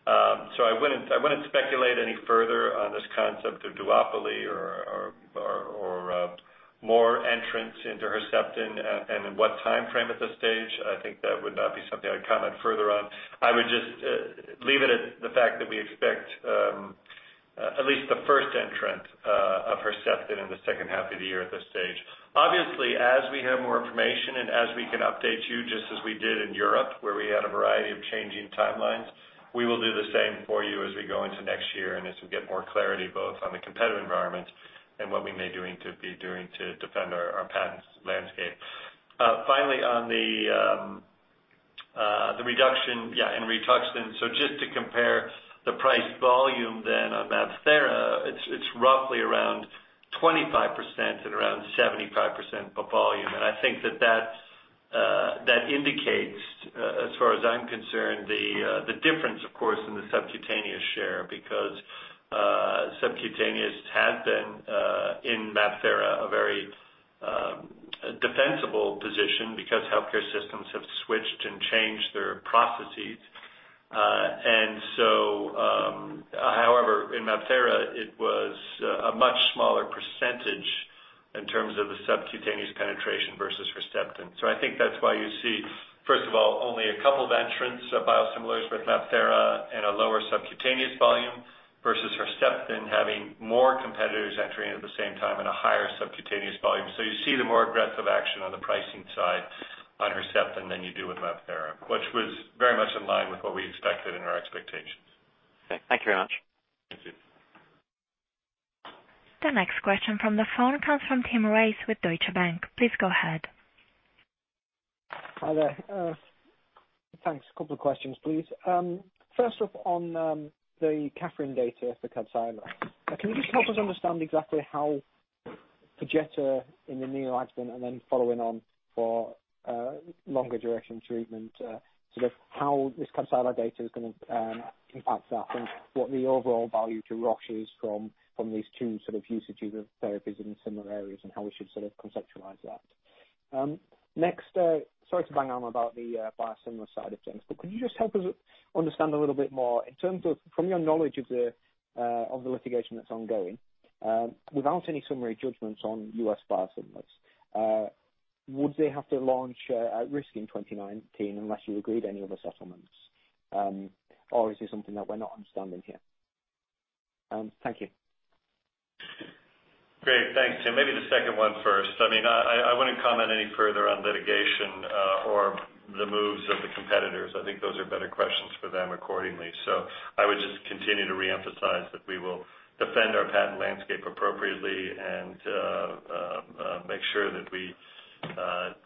I wouldn't speculate any further on this concept of duopoly or more entrants into Herceptin and in what timeframe at this stage. I think that would not be something I'd comment further on. I would just leave it at the fact that we expect at least the first entrant of Herceptin in the second half of the year at this stage. Obviously, as we have more information and as we can update you, just as we did in Europe, where we had a variety of changing timelines, we will do the same for you as we go into next year and as we get more clarity both on the competitive environment and what we may be doing to defend our patents landscape. Finally, on Rituxan. Just to compare the price volume then on MabThera, it's roughly around 25% and around 75% of volume. I think that indicates, as far as I'm concerned, the difference, of course, in the subcutaneous share because subcutaneous has been, in MabThera, a very defensible position because healthcare systems have switched and changed their processes. However, in MabThera, it was a much smaller percentage in terms of the subcutaneous penetration versus Herceptin. I think that's why you see, first of all, only a couple of entrants of biosimilars with MabThera and a lower subcutaneous volume versus Herceptin having more competitors entering at the same time and a higher subcutaneous volume. You see the more aggressive action on the pricing side on Herceptin than you do with MabThera, which was very much in line with what we expected in our expectations. Thank you very much. Thank you. The next question from the phone comes from Tim Race with Deutsche Bank. Please go ahead. Hi there. Thanks. A couple of questions, please. First off on the KATHERINE data for Kadcyla. Can you just help us understand exactly how Perjeta in the neoadjuvant and then following on for longer duration treatment, how this Kadcyla data is going to impact that and what the overall value to Roche is from these two sort of usages of therapies in similar areas and how we should sort of conceptualize that? Next, sorry to bang on about the biosimilar side of things, but could you just help us understand a little bit more in terms of, from your knowledge of the litigation that's ongoing, without any summary judgments on U.S. biosimilars, would they have to launch at risk in 2019 unless you agreed any other settlements? Or is this something that we're not understanding here? Thank you. Great. Thanks, Tim. Maybe the second one first. I wouldn't comment any further on litigation or the moves of the competitors. I think those are better questions for them accordingly. I would just continue to reemphasize that we will defend our patent landscape appropriately and make sure that we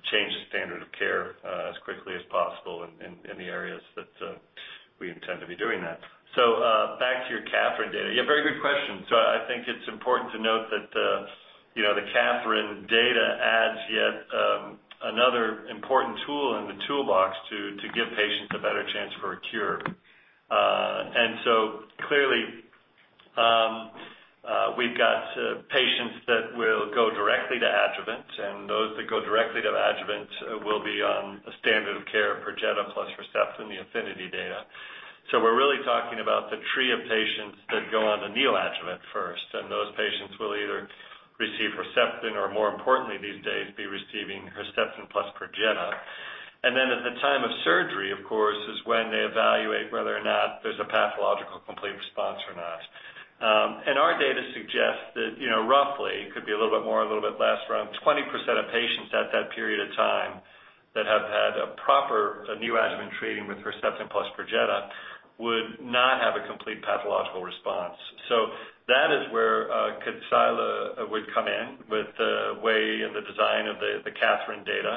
change the standard of care as quickly as possible in the areas that we intend to be doing that. Back to your KATHERINE data. Yeah, very good question. I think it's important to note that the KATHERINE data adds yet another important tool in the toolbox to give patients a better chance for a cure. Clearly, we've got patients that will go directly to adjuvant and those that go directly to adjuvant will be on a standard of care Perjeta plus Herceptin, the APHINITY data. We're really talking about the type of patients that go on the neoadjuvant first, those patients will either receive Herceptin or more importantly these days, be receiving Herceptin plus Perjeta. At the time of surgery, of course, is when they evaluate whether or not there's a pathological complete response or not. Our data suggests that roughly, could be a little bit more, a little bit less, around 20% of patients at that period of time that have had a proper neoadjuvant treating with Herceptin plus Perjeta would not have a complete pathological response. That is where Kadcyla would come in with the way and the design of the KATHERINE data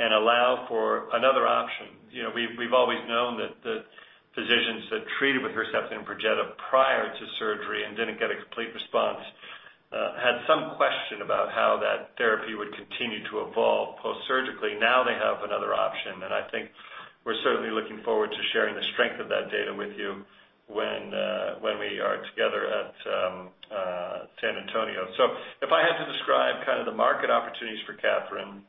and allow for another option. We've always known that physicians that treated with Herceptin Perjeta prior to surgery and didn't get a complete response had some question about how that therapy would continue to evolve post-surgically. Now they have another option, and I think we're certainly looking forward to sharing the strength of that data with you when we are together at San Antonio. If I had to describe kind of the market opportunities for KATHERINE,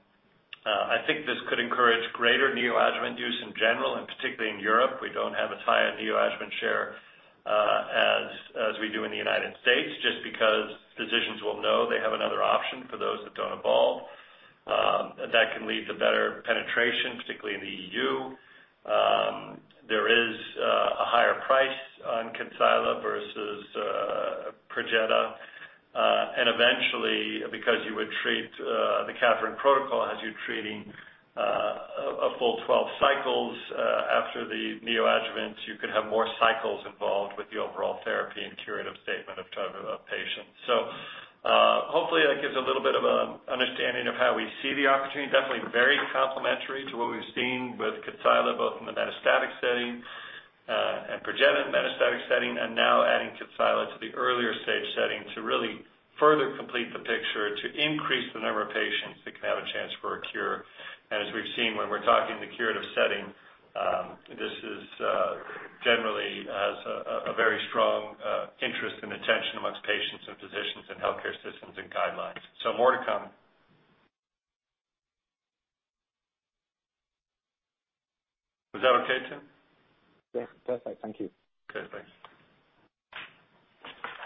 I think this could encourage greater neoadjuvant use in general, and particularly in Europe. We don't have as high a neoadjuvant share as we do in the United States, just because physicians will know they have another option for those that don't evolve. That can lead to better penetration, particularly in the EU. There is a higher price on Kadcyla versus Perjeta. Eventually, because the KATHERINE protocol has you treating a full 12 cycles after the neoadjuvants, you could have more cycles involved with the overall therapy and curative statement of patients. Hopefully that gives a little bit of an understanding of how we see the opportunity. Definitely very complementary to what we've seen with Kadcyla, both in the metastatic setting and Perjeta metastatic setting, and now adding Kadcyla to the earlier stage setting to really further complete the picture to increase the number of patients that can have a chance for a cure. As we've seen when we're talking the curative setting, this generally has a very strong interest and attention amongst patients and physicians and healthcare systems and guidelines. More to come. Was that okay, Tim? Yeah. Perfect. Thank you. Okay, thanks.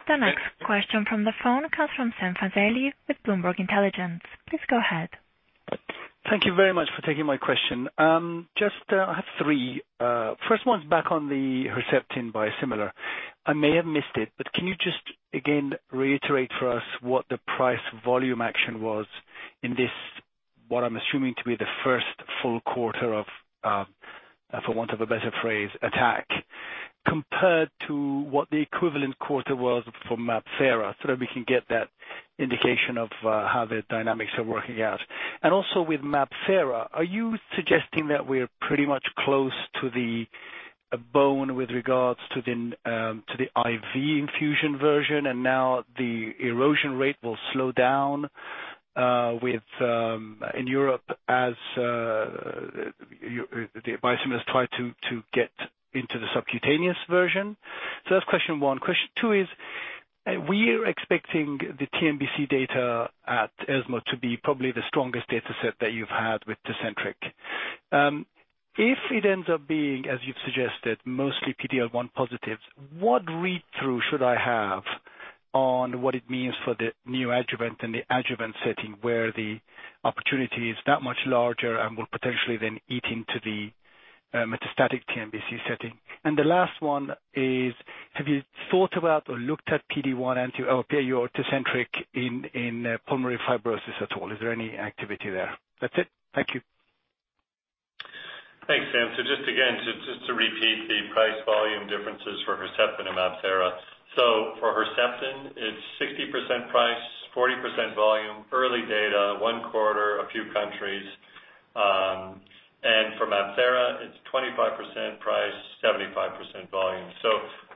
The next question from the phone comes from Sam Fazeli with Bloomberg Intelligence. Please go ahead. Thank you very much for taking my question. I have three. First one's back on the Herceptin biosimilar. I may have missed it, but can you just again reiterate for us what the price volume action was in this, what I'm assuming to be the first full quarter of, for want of a better phrase, attack? Compared to what the equivalent quarter was for MabThera, so that we can get that indication of how the dynamics are working out. Also with MabThera, are you suggesting that we're pretty much close to the bone with regards to the IV infusion version, and now the erosion rate will slow down in Europe as the biosimilars try to get into the subcutaneous version? That's question one. Question two is, we're expecting the TNBC data at ESMO to be probably the strongest data set that you've had with Tecentriq. If it ends up being, as you've suggested, mostly PD-L1 positives, what read-through should I have on what it means for the new adjuvant and the adjuvant setting, where the opportunity is that much larger and will potentially then eat into the metastatic TNBC setting? The last one is, have you thought about or looked at PD-1 or your Tecentriq in pulmonary fibrosis at all? Is there any activity there? That's it. Thank you. Thanks, Sam. Just again, just to repeat the price volume differences for Herceptin and MabThera. For Herceptin, it's 60% price, 40% volume, early data, one quarter, a few countries. For MabThera, it's 25% price, 75% volume.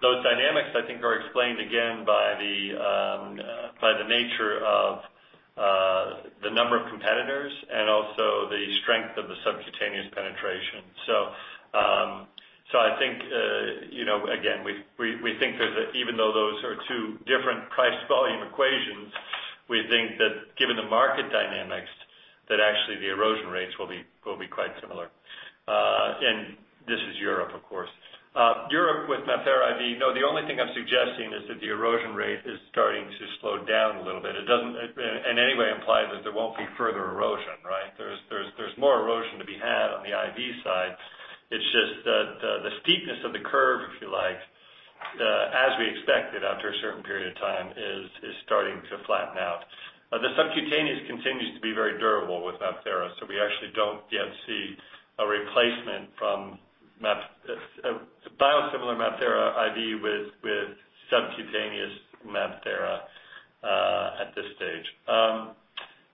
Those dynamics, I think, are explained again by the nature of the number of competitors and also the strength of the subcutaneous penetration. I think, again, even though those are two different price volume equations, we think that given the market dynamics, that actually the erosion rates will be quite similar. This is Europe, of course. Europe with MabThera IV, the only thing I'm suggesting is that the erosion rate is starting to slow down a little bit. It doesn't in any way imply that there won't be further erosion, right? There's more erosion to be had on the IV side. It's just that the steepness of the curve, if you like, as we expected after a certain period of time, is starting to flatten out. The subcutaneous continues to be very durable with MabThera, so we actually don't yet see a replacement from biosimilar MabThera IV with subcutaneous MabThera, at this stage.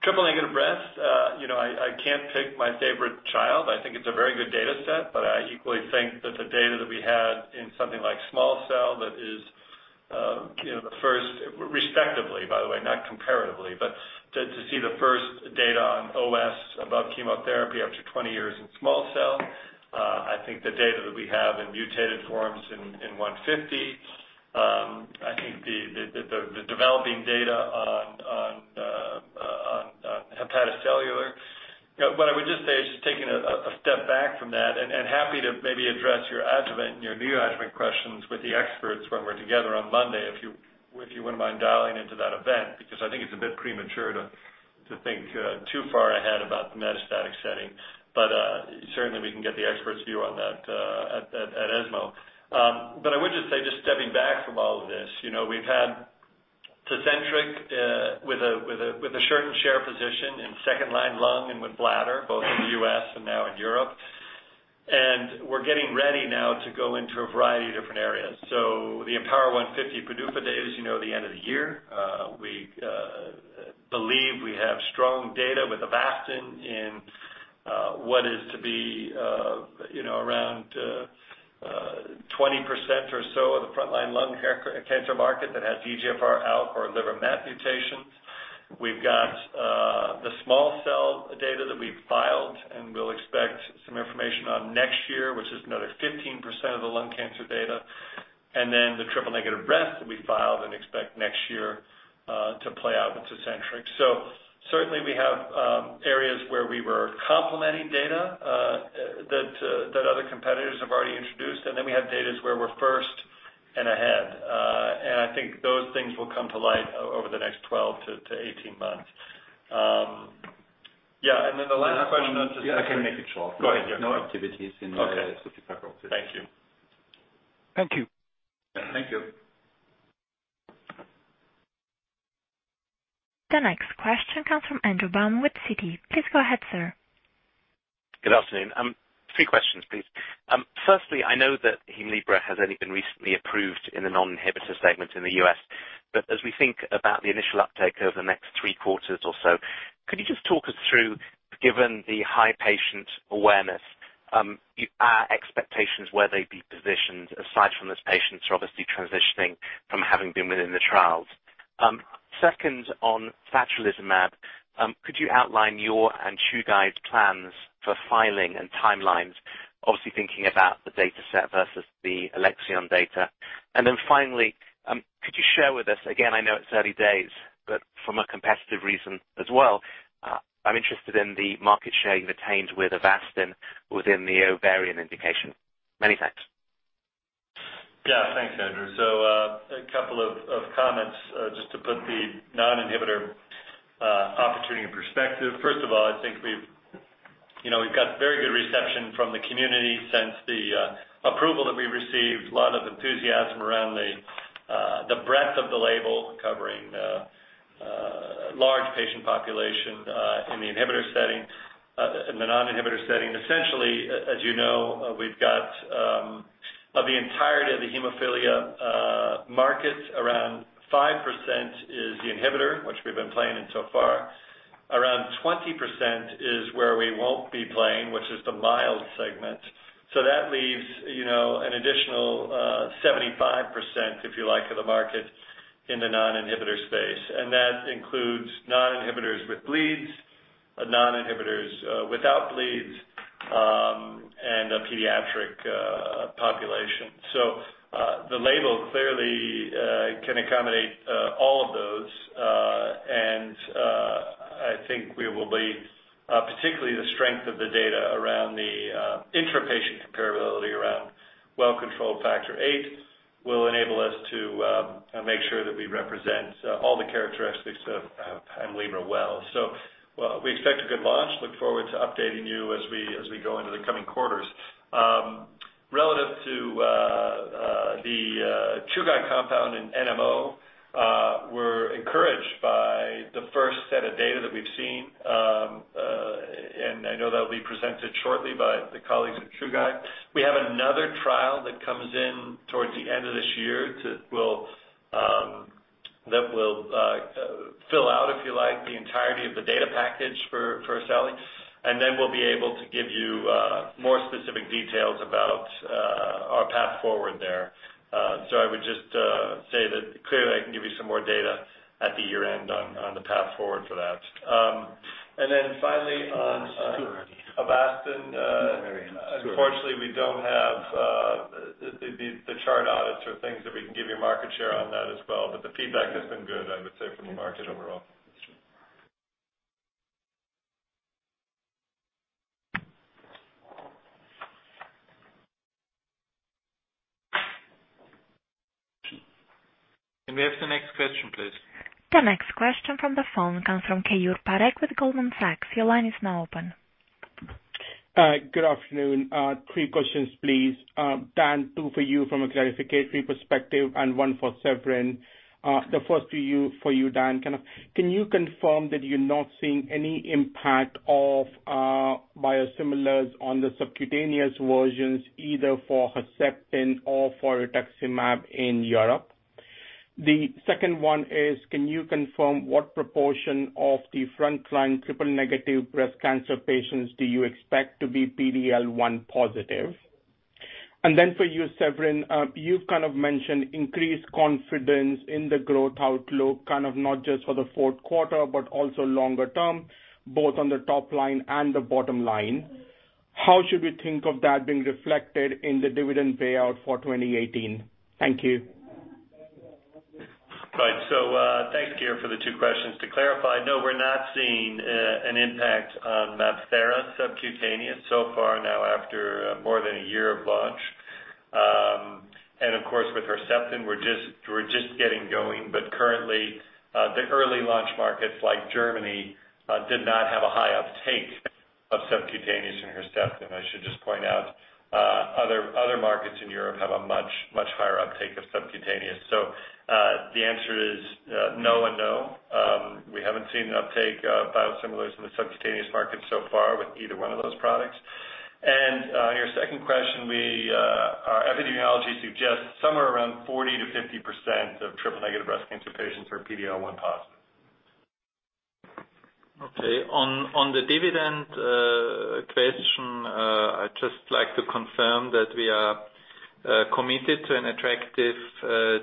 Triple-negative breast, I can't pick my favorite child. I think it's a very good data set, but I equally think that the data that we had in something like small cell that is the first, respectively, by the way, not comparatively, but to see the first data on OS above chemotherapy after 20 years in small cell. I think the data that we have in mutated forms in IMpower150. I think the developing data on hepatocellular. What I would just say is just taking a step back from that and happy to maybe address your adjuvant and your neo-adjuvant questions with the experts when we're together on Monday, if you wouldn't mind dialing into that event, because I think it's a bit premature to think too far ahead about the metastatic setting. Certainly we can get the experts' view on that at ESMO. I would just say, just stepping back from all of this, we've had TECENTRIQ with a certain share position in second-line lung and with bladder, both in the U.S. and now in Europe. We're getting ready now to go into a variety of different areas. The IMpower150 PDUFA data is the end of the year. We believe we have strong data with Avastin in what is to be around 20% or so of the frontline lung cancer market that has EGFR out or liver MET mutations. We've got the small cell data that we've filed and we'll expect some information on next year, which is another 15% of the lung cancer data. The triple-negative breast that we filed and expect next year to play out with TECENTRIQ. Certainly we have areas where we were complementing data that other competitors have already introduced, and then we have data where we're first and ahead. I think those things will come to light over the next 12-18 months. The last question- The last one. Go ahead, yeah. No activities in the Okay. Thank you. Thank you. Thank you. The next question comes from Andrew Baum with Citi. Please go ahead, sir. Good afternoon. Three questions, please. Firstly, I know that Hemlibra has only been recently approved in the non-inhibitor segment in the U.S. As we think about the initial uptake over the next three quarters or so, could you just talk us through, given the high patient awareness, our expectations, where they'd be positioned, aside from those patients who are obviously transitioning from having been within the trials. Second, on satralizumab, could you outline your and Chugai plans for filing and timelines, obviously thinking about the data set versus the Alexion data. Finally, could you share with us, again, I know it's early days, but from a competitive reason as well, I'm interested in the market share you've attained with Avastin within the ovarian indication. Many thanks. Yeah. Thanks, Andrew. A couple of comments, just to put the non-inhibitor opportunity in perspective. First of all, I think we've got very good reception from the community since the approval that we received. A lot of enthusiasm around the label covering large patient population in the inhibitor setting, in the non-inhibitor setting. Essentially, as you know, we've got of the entirety of the hemophilia market, around 5% is the inhibitor, which we've been playing in so far. Around 20% is where we won't be playing, which is the mild segment. That leaves an additional 75%, if you like, of the market in the non-inhibitor space. That includes non-inhibitors with bleeds, non-inhibitors without bleeds, and a pediatric population. The label clearly can accommodate all of those, I think we will be, particularly the strength of the data around the intra-patient comparability around well-controlled factor VIII will enable us to make sure that we represent all the characteristics of Hemlibra well. We expect a good launch. Look forward to updating you as we go into the coming quarters. Relative to the Chugai compound in NMO, we're encouraged by the first set of data that we've seen. I know that'll be presented shortly by the colleagues at Chugai. We have another trial that comes in towards the end of this year that will fill out, if you like, the entirety of the data package for sale. Then we'll be able to give you more specific details about our path forward there. I would just say that clearly I can give you some more data at the year-end on the path forward for that. Then finally, on Avastin, unfortunately, we don't have the chart audits or things that we can give you market share on that as well, the feedback has been good, I would say, from the market overall. Can we have the next question, please? The next question from the phone comes from Keyur Parekh with Goldman Sachs. Your line is now open. Good afternoon. Three questions, please. Dan, two for you from a clarification perspective and one for Severin. The first for you, Dan. Can you confirm that you're not seeing any impact of biosimilars on the subcutaneous versions, either for Herceptin or for Rituximab in Europe? The second one is, can you confirm what proportion of the frontline triple-negative breast cancer patients do you expect to be PD-L1 positive? Then for you, Severin, you've mentioned increased confidence in the growth outlook, not just for the fourth quarter, but also longer term, both on the top line and the bottom line. How should we think of that being reflected in the dividend payout for 2018? Thank you. Right. Thanks, Keyur, for the two questions. To clarify, no, we're not seeing an impact on MabThera subcutaneous so far now after more than a year of launch. Of course, with Herceptin, we're just getting going, but currently, the early launch markets like Germany, did not have a high uptake of subcutaneous in Herceptin. I should just point out, other markets in Europe have a much higher uptake of subcutaneous. The answer is no and no. We haven't seen an uptake of biosimilars in the subcutaneous market so far with either one of those products. On your second question, our epidemiology suggests somewhere around 40%-50% of triple-negative breast cancer patients are PD-L1 positive. Okay. On the dividend question, I'd just like to confirm that we are committed to an attractive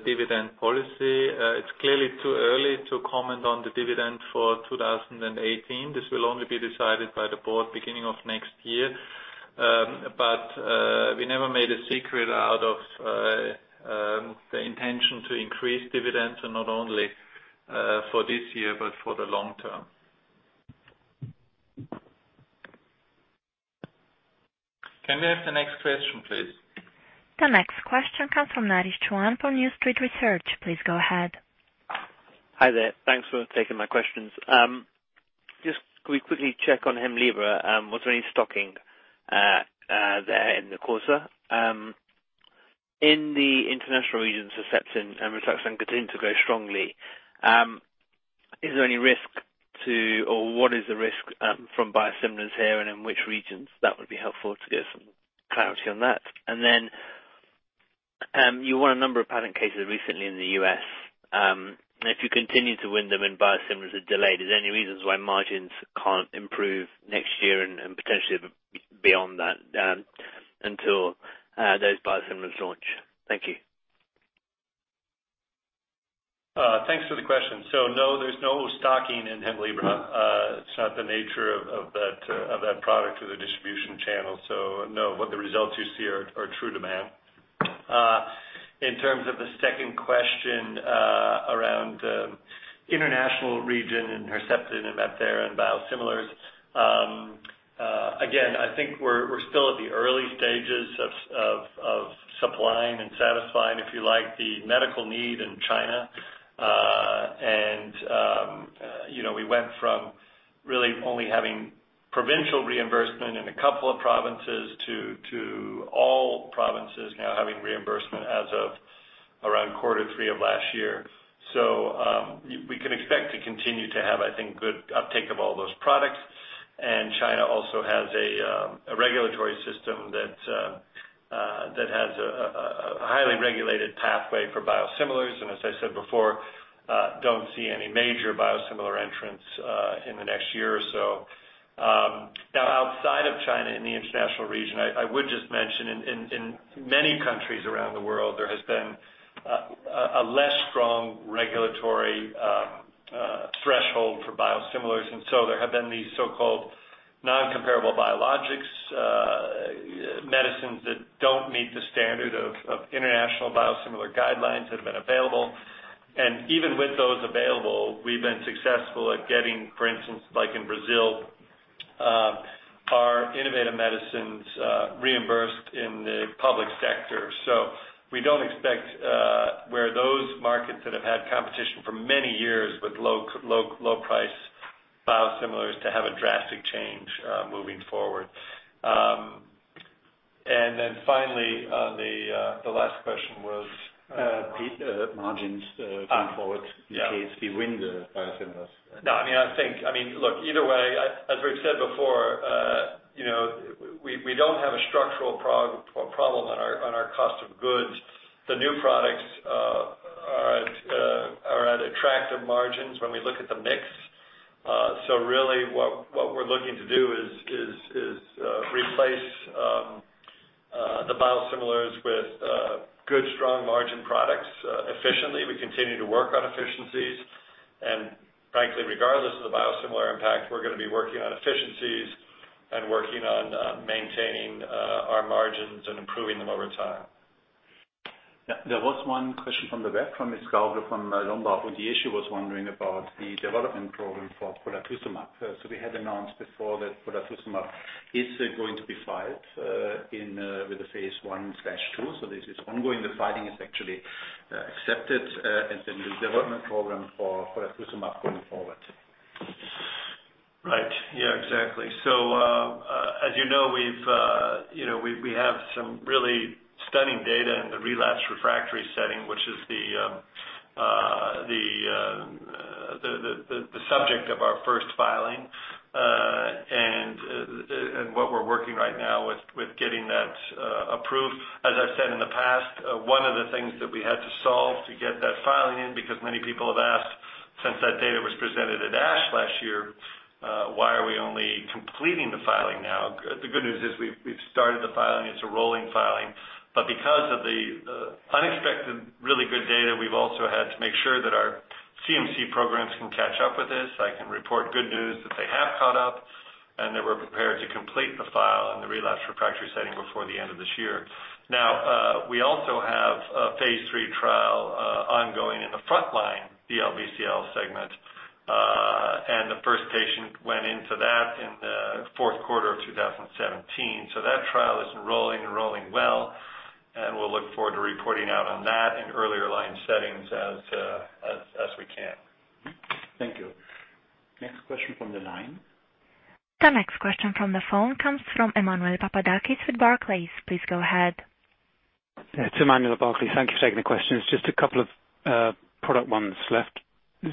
dividend policy. It's clearly too early to comment on the dividend for 2018. This will only be decided by the board beginning of next year. We never made a secret out of the intention to increase dividends, and not only for this year, but for the long term. Can we have the next question, please? The next question comes from Naresh Chouhan for New Street Research. Please go ahead. Hi there. Thanks for taking my questions. Just could we quickly check on Hemlibra, was there any stocking there in the quarter? In the international regions, Herceptin and rituximab continue to grow strongly. Is there any risk to or what is the risk from biosimilars here and in which regions? That would be helpful to get some clarity on that. You won a number of patent cases recently in the U.S. If you continue to win them and biosimilars are delayed, is there any reasons why margins can't improve next year and potentially beyond that until those biosimilars launch? Thank you. Thanks for the question. No, there's no stocking in Hemlibra. It's not the nature of that product or the distribution channel. No, what the results you see are true demand. In terms of the second question around international region and Herceptin and MabThera and biosimilars, again, I think we're still at the early stages of supplying and satisfying, if you like, the medical need in China. We went from really only having provincial reimbursement in a couple of provinces to all provinces now having reimbursement as of around Q3 of last year. We can expect to continue to have, I think, good uptake of all those products. China also has a regulatory system that has a highly regulated pathway for biosimilars. As I said before, don't see any major biosimilar entrants in the next year or so. Outside of China, in the international region, I would just mention, in many countries around the world, there has been a less strong regulatory threshold for biosimilars, there have been these so-called non-comparable biologics medicines that don't meet the standard of international biosimilar guidelines that have been available. Even with those available, we've been successful at getting, for instance, like in Brazil, our innovative medicines reimbursed in the public sector. We don't expect where those markets that have had competition for many years with low price biosimilars to have a drastic change moving forward. Finally, the last question was? Peak margins going forward in case we win the biosimilars. I think, either way, as we've said before, we don't have a structural problem on our cost of goods. The new products are at attractive margins when we look at the mix. Really what we're looking to do is replace the biosimilars with good, strong margin products efficiently. We continue to work on efficiencies, and regardless of the biosimilar impact, we're going to be working on efficiencies and maintaining our margins and improving them over time. There was one question from the web from [Ms. Gauver from Berenberg], who was wondering about the development program for Polatuzumab. We had announced before that Polatuzumab is going to be filed with the phase I/II. This is ongoing. The filing is actually accepted, the development program for Polatuzumab going forward. As you know, we have some really stunning data in the relapsed refractory setting, which is the subject of our first filing, and what we're working right now with getting that approved. As I've said in the past, one of the things that we had to solve to get that filing in, because many people have asked, since that data was presented at ASH last year, why are we only completing the filing now? The good news is we've started the filing. It's a rolling filing. Because of the unexpected really good data, we've also had to make sure that our CMC programs can catch up with this. I can report good news that they have caught up and that we're prepared to complete the file in the relapsed refractory setting before the end of this year. We also have a phase III trial ongoing in the frontline DLBCL segment. The first patient went into that in the fourth quarter of 2017. That trial is enrolling and rolling well, and we'll look forward to reporting out on that in earlier line settings as we can. Thank you. Next question from the line. The next question from the phone comes from Emmanuel Papadakis with Barclays. Please go ahead. It's Emmanuel at Barclays. Thank you for taking the questions. Just a couple of product ones left.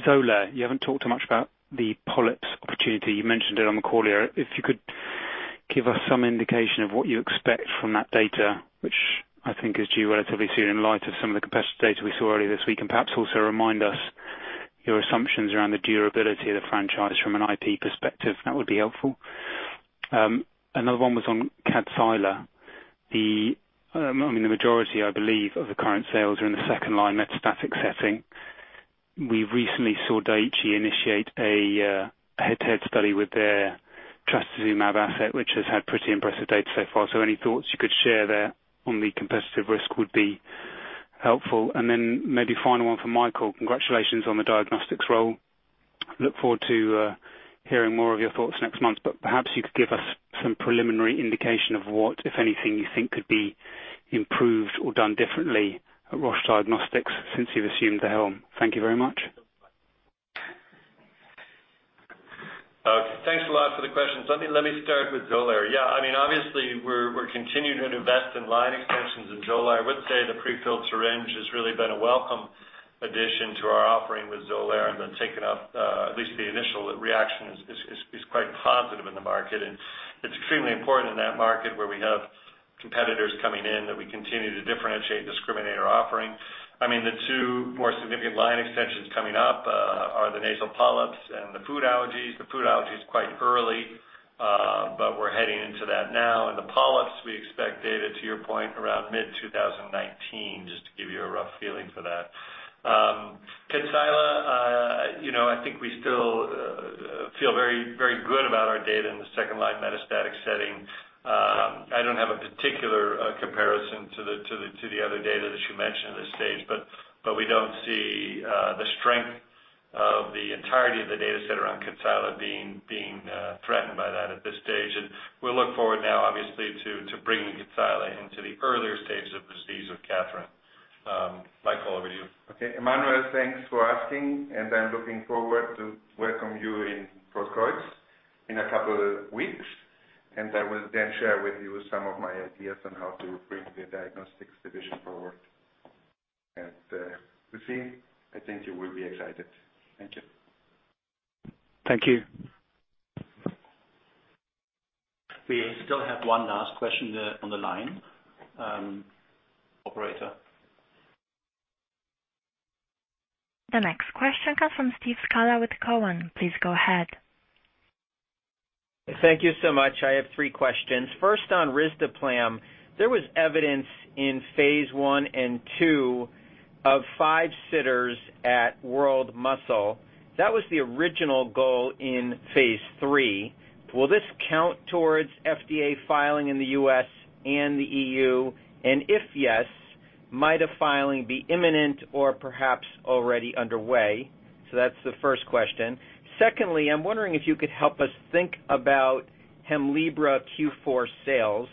Xolair, you haven't talked too much about the polyps opportunity. You mentioned it on the call here. If you could give us some indication of what you expect from that data, which I think is due relatively soon in light of some of the competitive data we saw earlier this week, and perhaps also remind us your assumptions around the durability of the franchise from an IP perspective, that would be helpful. Another one was on Kadcyla. The majority, I believe, of the current sales are in the second line metastatic setting. We recently saw Daiichi initiate a head-to-head study with their trastuzumab asset, which has had pretty impressive data so far. Any thoughts you could share there on the competitive risk would be helpful. Then maybe final one for Michael. Congratulations on the diagnostics role. Look forward to hearing more of your thoughts next month, perhaps you could give us some preliminary indication of what, if anything, you think could be improved or done differently at Roche Diagnostics since you've assumed the helm. Thank you very much. Okay. Thanks a lot for the questions. Let me start with Xolair. Yeah, obviously, we're continuing to invest in line extensions in Xolair. I would say the prefilled syringe has really been a welcome addition to our offering with Xolair, and the take and up, at least the initial reaction is quite positive in the market, and it's extremely important in that market where we have competitors coming in, that we continue to differentiate and discriminate our offering. The two more significant line extensions coming up are the nasal polyps and the food allergies. The food allergy is quite early. We're heading into that now. The polyps, we expect data, to your point, around mid-2019, just to give you a rough feeling for that. Kadcyla, I think we still feel very good about our data in the second-line metastatic setting. I don't have a particular comparison to the other data that you mentioned at this stage. We don't see the strength of the entirety of the data set around Kadcyla being threatened by that at this stage. We'll look forward now, obviously, to bringing Gazyva into the earlier stages of the disease with KATHERINE. Michael, over to you. Okay, Emmanuel, thanks for asking. I'm looking forward to welcome you in Fort Collins in a couple weeks. I will then share with you some of my ideas on how to bring the Diagnostics Division forward. I think you will be excited. Thank you. Thank you. We still have one last question there on the line. Operator? The next question comes from Steve Scala with Cowen. Please go ahead. Thank you so much. I have three questions. First on risdiplam. There was evidence in phase I and II of five sitters at World Muscle. That was the original goal in phase III. Will this count towards FDA filing in the U.S. and the EU? If yes, might a filing be imminent or perhaps already underway? That's the first question. Secondly, I'm wondering if you could help us think about Hemlibra Q4 sales.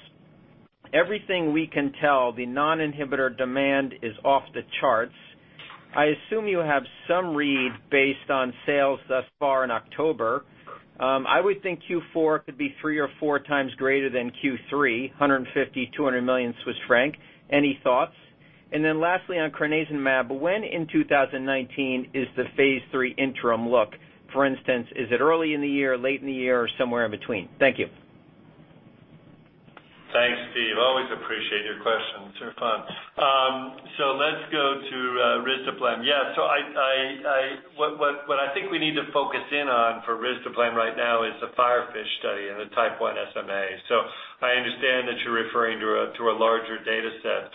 Everything we can tell, the non-inhibitor demand is off the charts. I assume you have some read based on sales thus far in October. I would think Q4 could be three or four times greater than Q3, 150 million-200 million Swiss franc. Any thoughts? Lastly, on crenezumab. When in 2019 is the phase III interim look? For instance, is it early in the year, late in the year, or somewhere in between? Thank you. Thanks, Steve. Always appreciate your questions. They're fun. Let's go to risdiplam. What I think we need to focus in on for risdiplam right now is the FIREFISH study and the type 1 SMA. I understand that you're referring to a larger data set.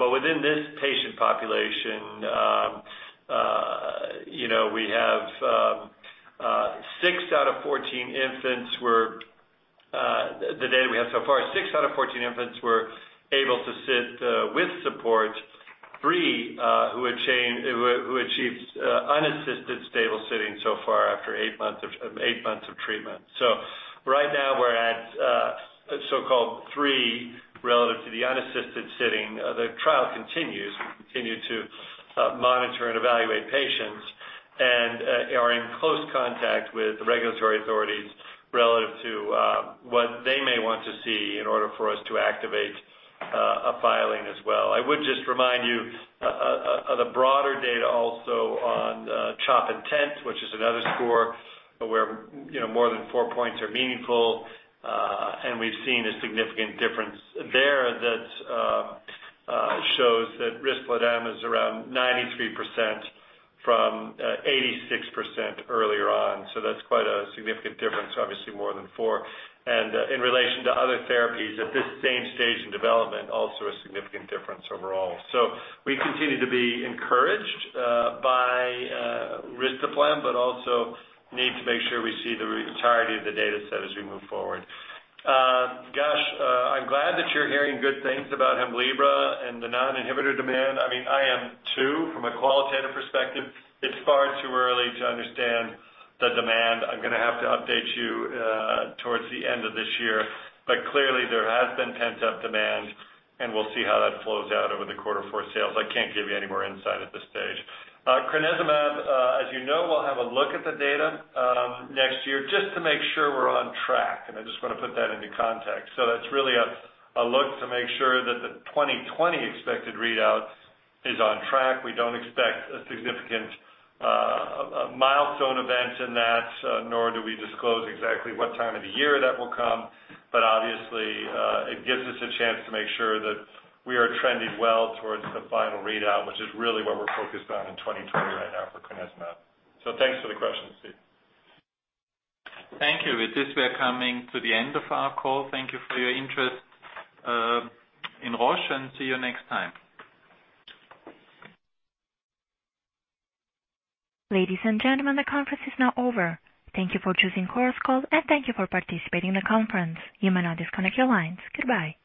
Within this patient population, six out of 14 infants were able to sit with support. Three who achieved unassisted stable sitting so far after eight months of treatment. Right now we're at a so-called 3 relative to the unassisted sitting. The trial continues. We continue to monitor and evaluate patients and are in close contact with the regulatory authorities relative to what they may want to see in order for us to activate a filing as well. I would just remind you of the broader data also on CHOP INTEND, which is another score where more than 4 points are meaningful. We've seen a significant difference there that shows that risdiplam is around 93% from 86% earlier on. That's quite a significant difference, obviously more than 4. In relation to other therapies at this same stage in development, also a significant difference overall. We continue to be encouraged by risdiplam, but also need to make sure we see the entirety of the data set as we move forward. Gosh, I'm glad that you're hearing good things about Hemlibra and the non-inhibitor demand. I mean, I am too. From a qualitative perspective, it's far too early to understand the demand. I'm going to have to update you towards the end of this year. Clearly there has been pent-up demand, and we'll see how that flows out over the quarter 4 sales. I can't give you any more insight at this stage. crenezumab, as you know, we'll have a look at the data next year just to make sure we're on track, and I just want to put that into context. That's really a look to make sure that the 2020 expected readout is on track. We don't expect a significant milestone event in that nor do we disclose exactly what time of the year that will come. Obviously, it gives us a chance to make sure that we are trending well towards the final readout, which is really what we're focused on in 2020 right now for crenezumab. Thanks for the question, Steve. Thank you. With this, we are coming to the end of our call. Thank you for your interest in Roche, and see you next time. Ladies and gentlemen, the conference is now over. Thank you for choosing Chorus Call, and thank you for participating in the conference. You may now disconnect your lines. Goodbye.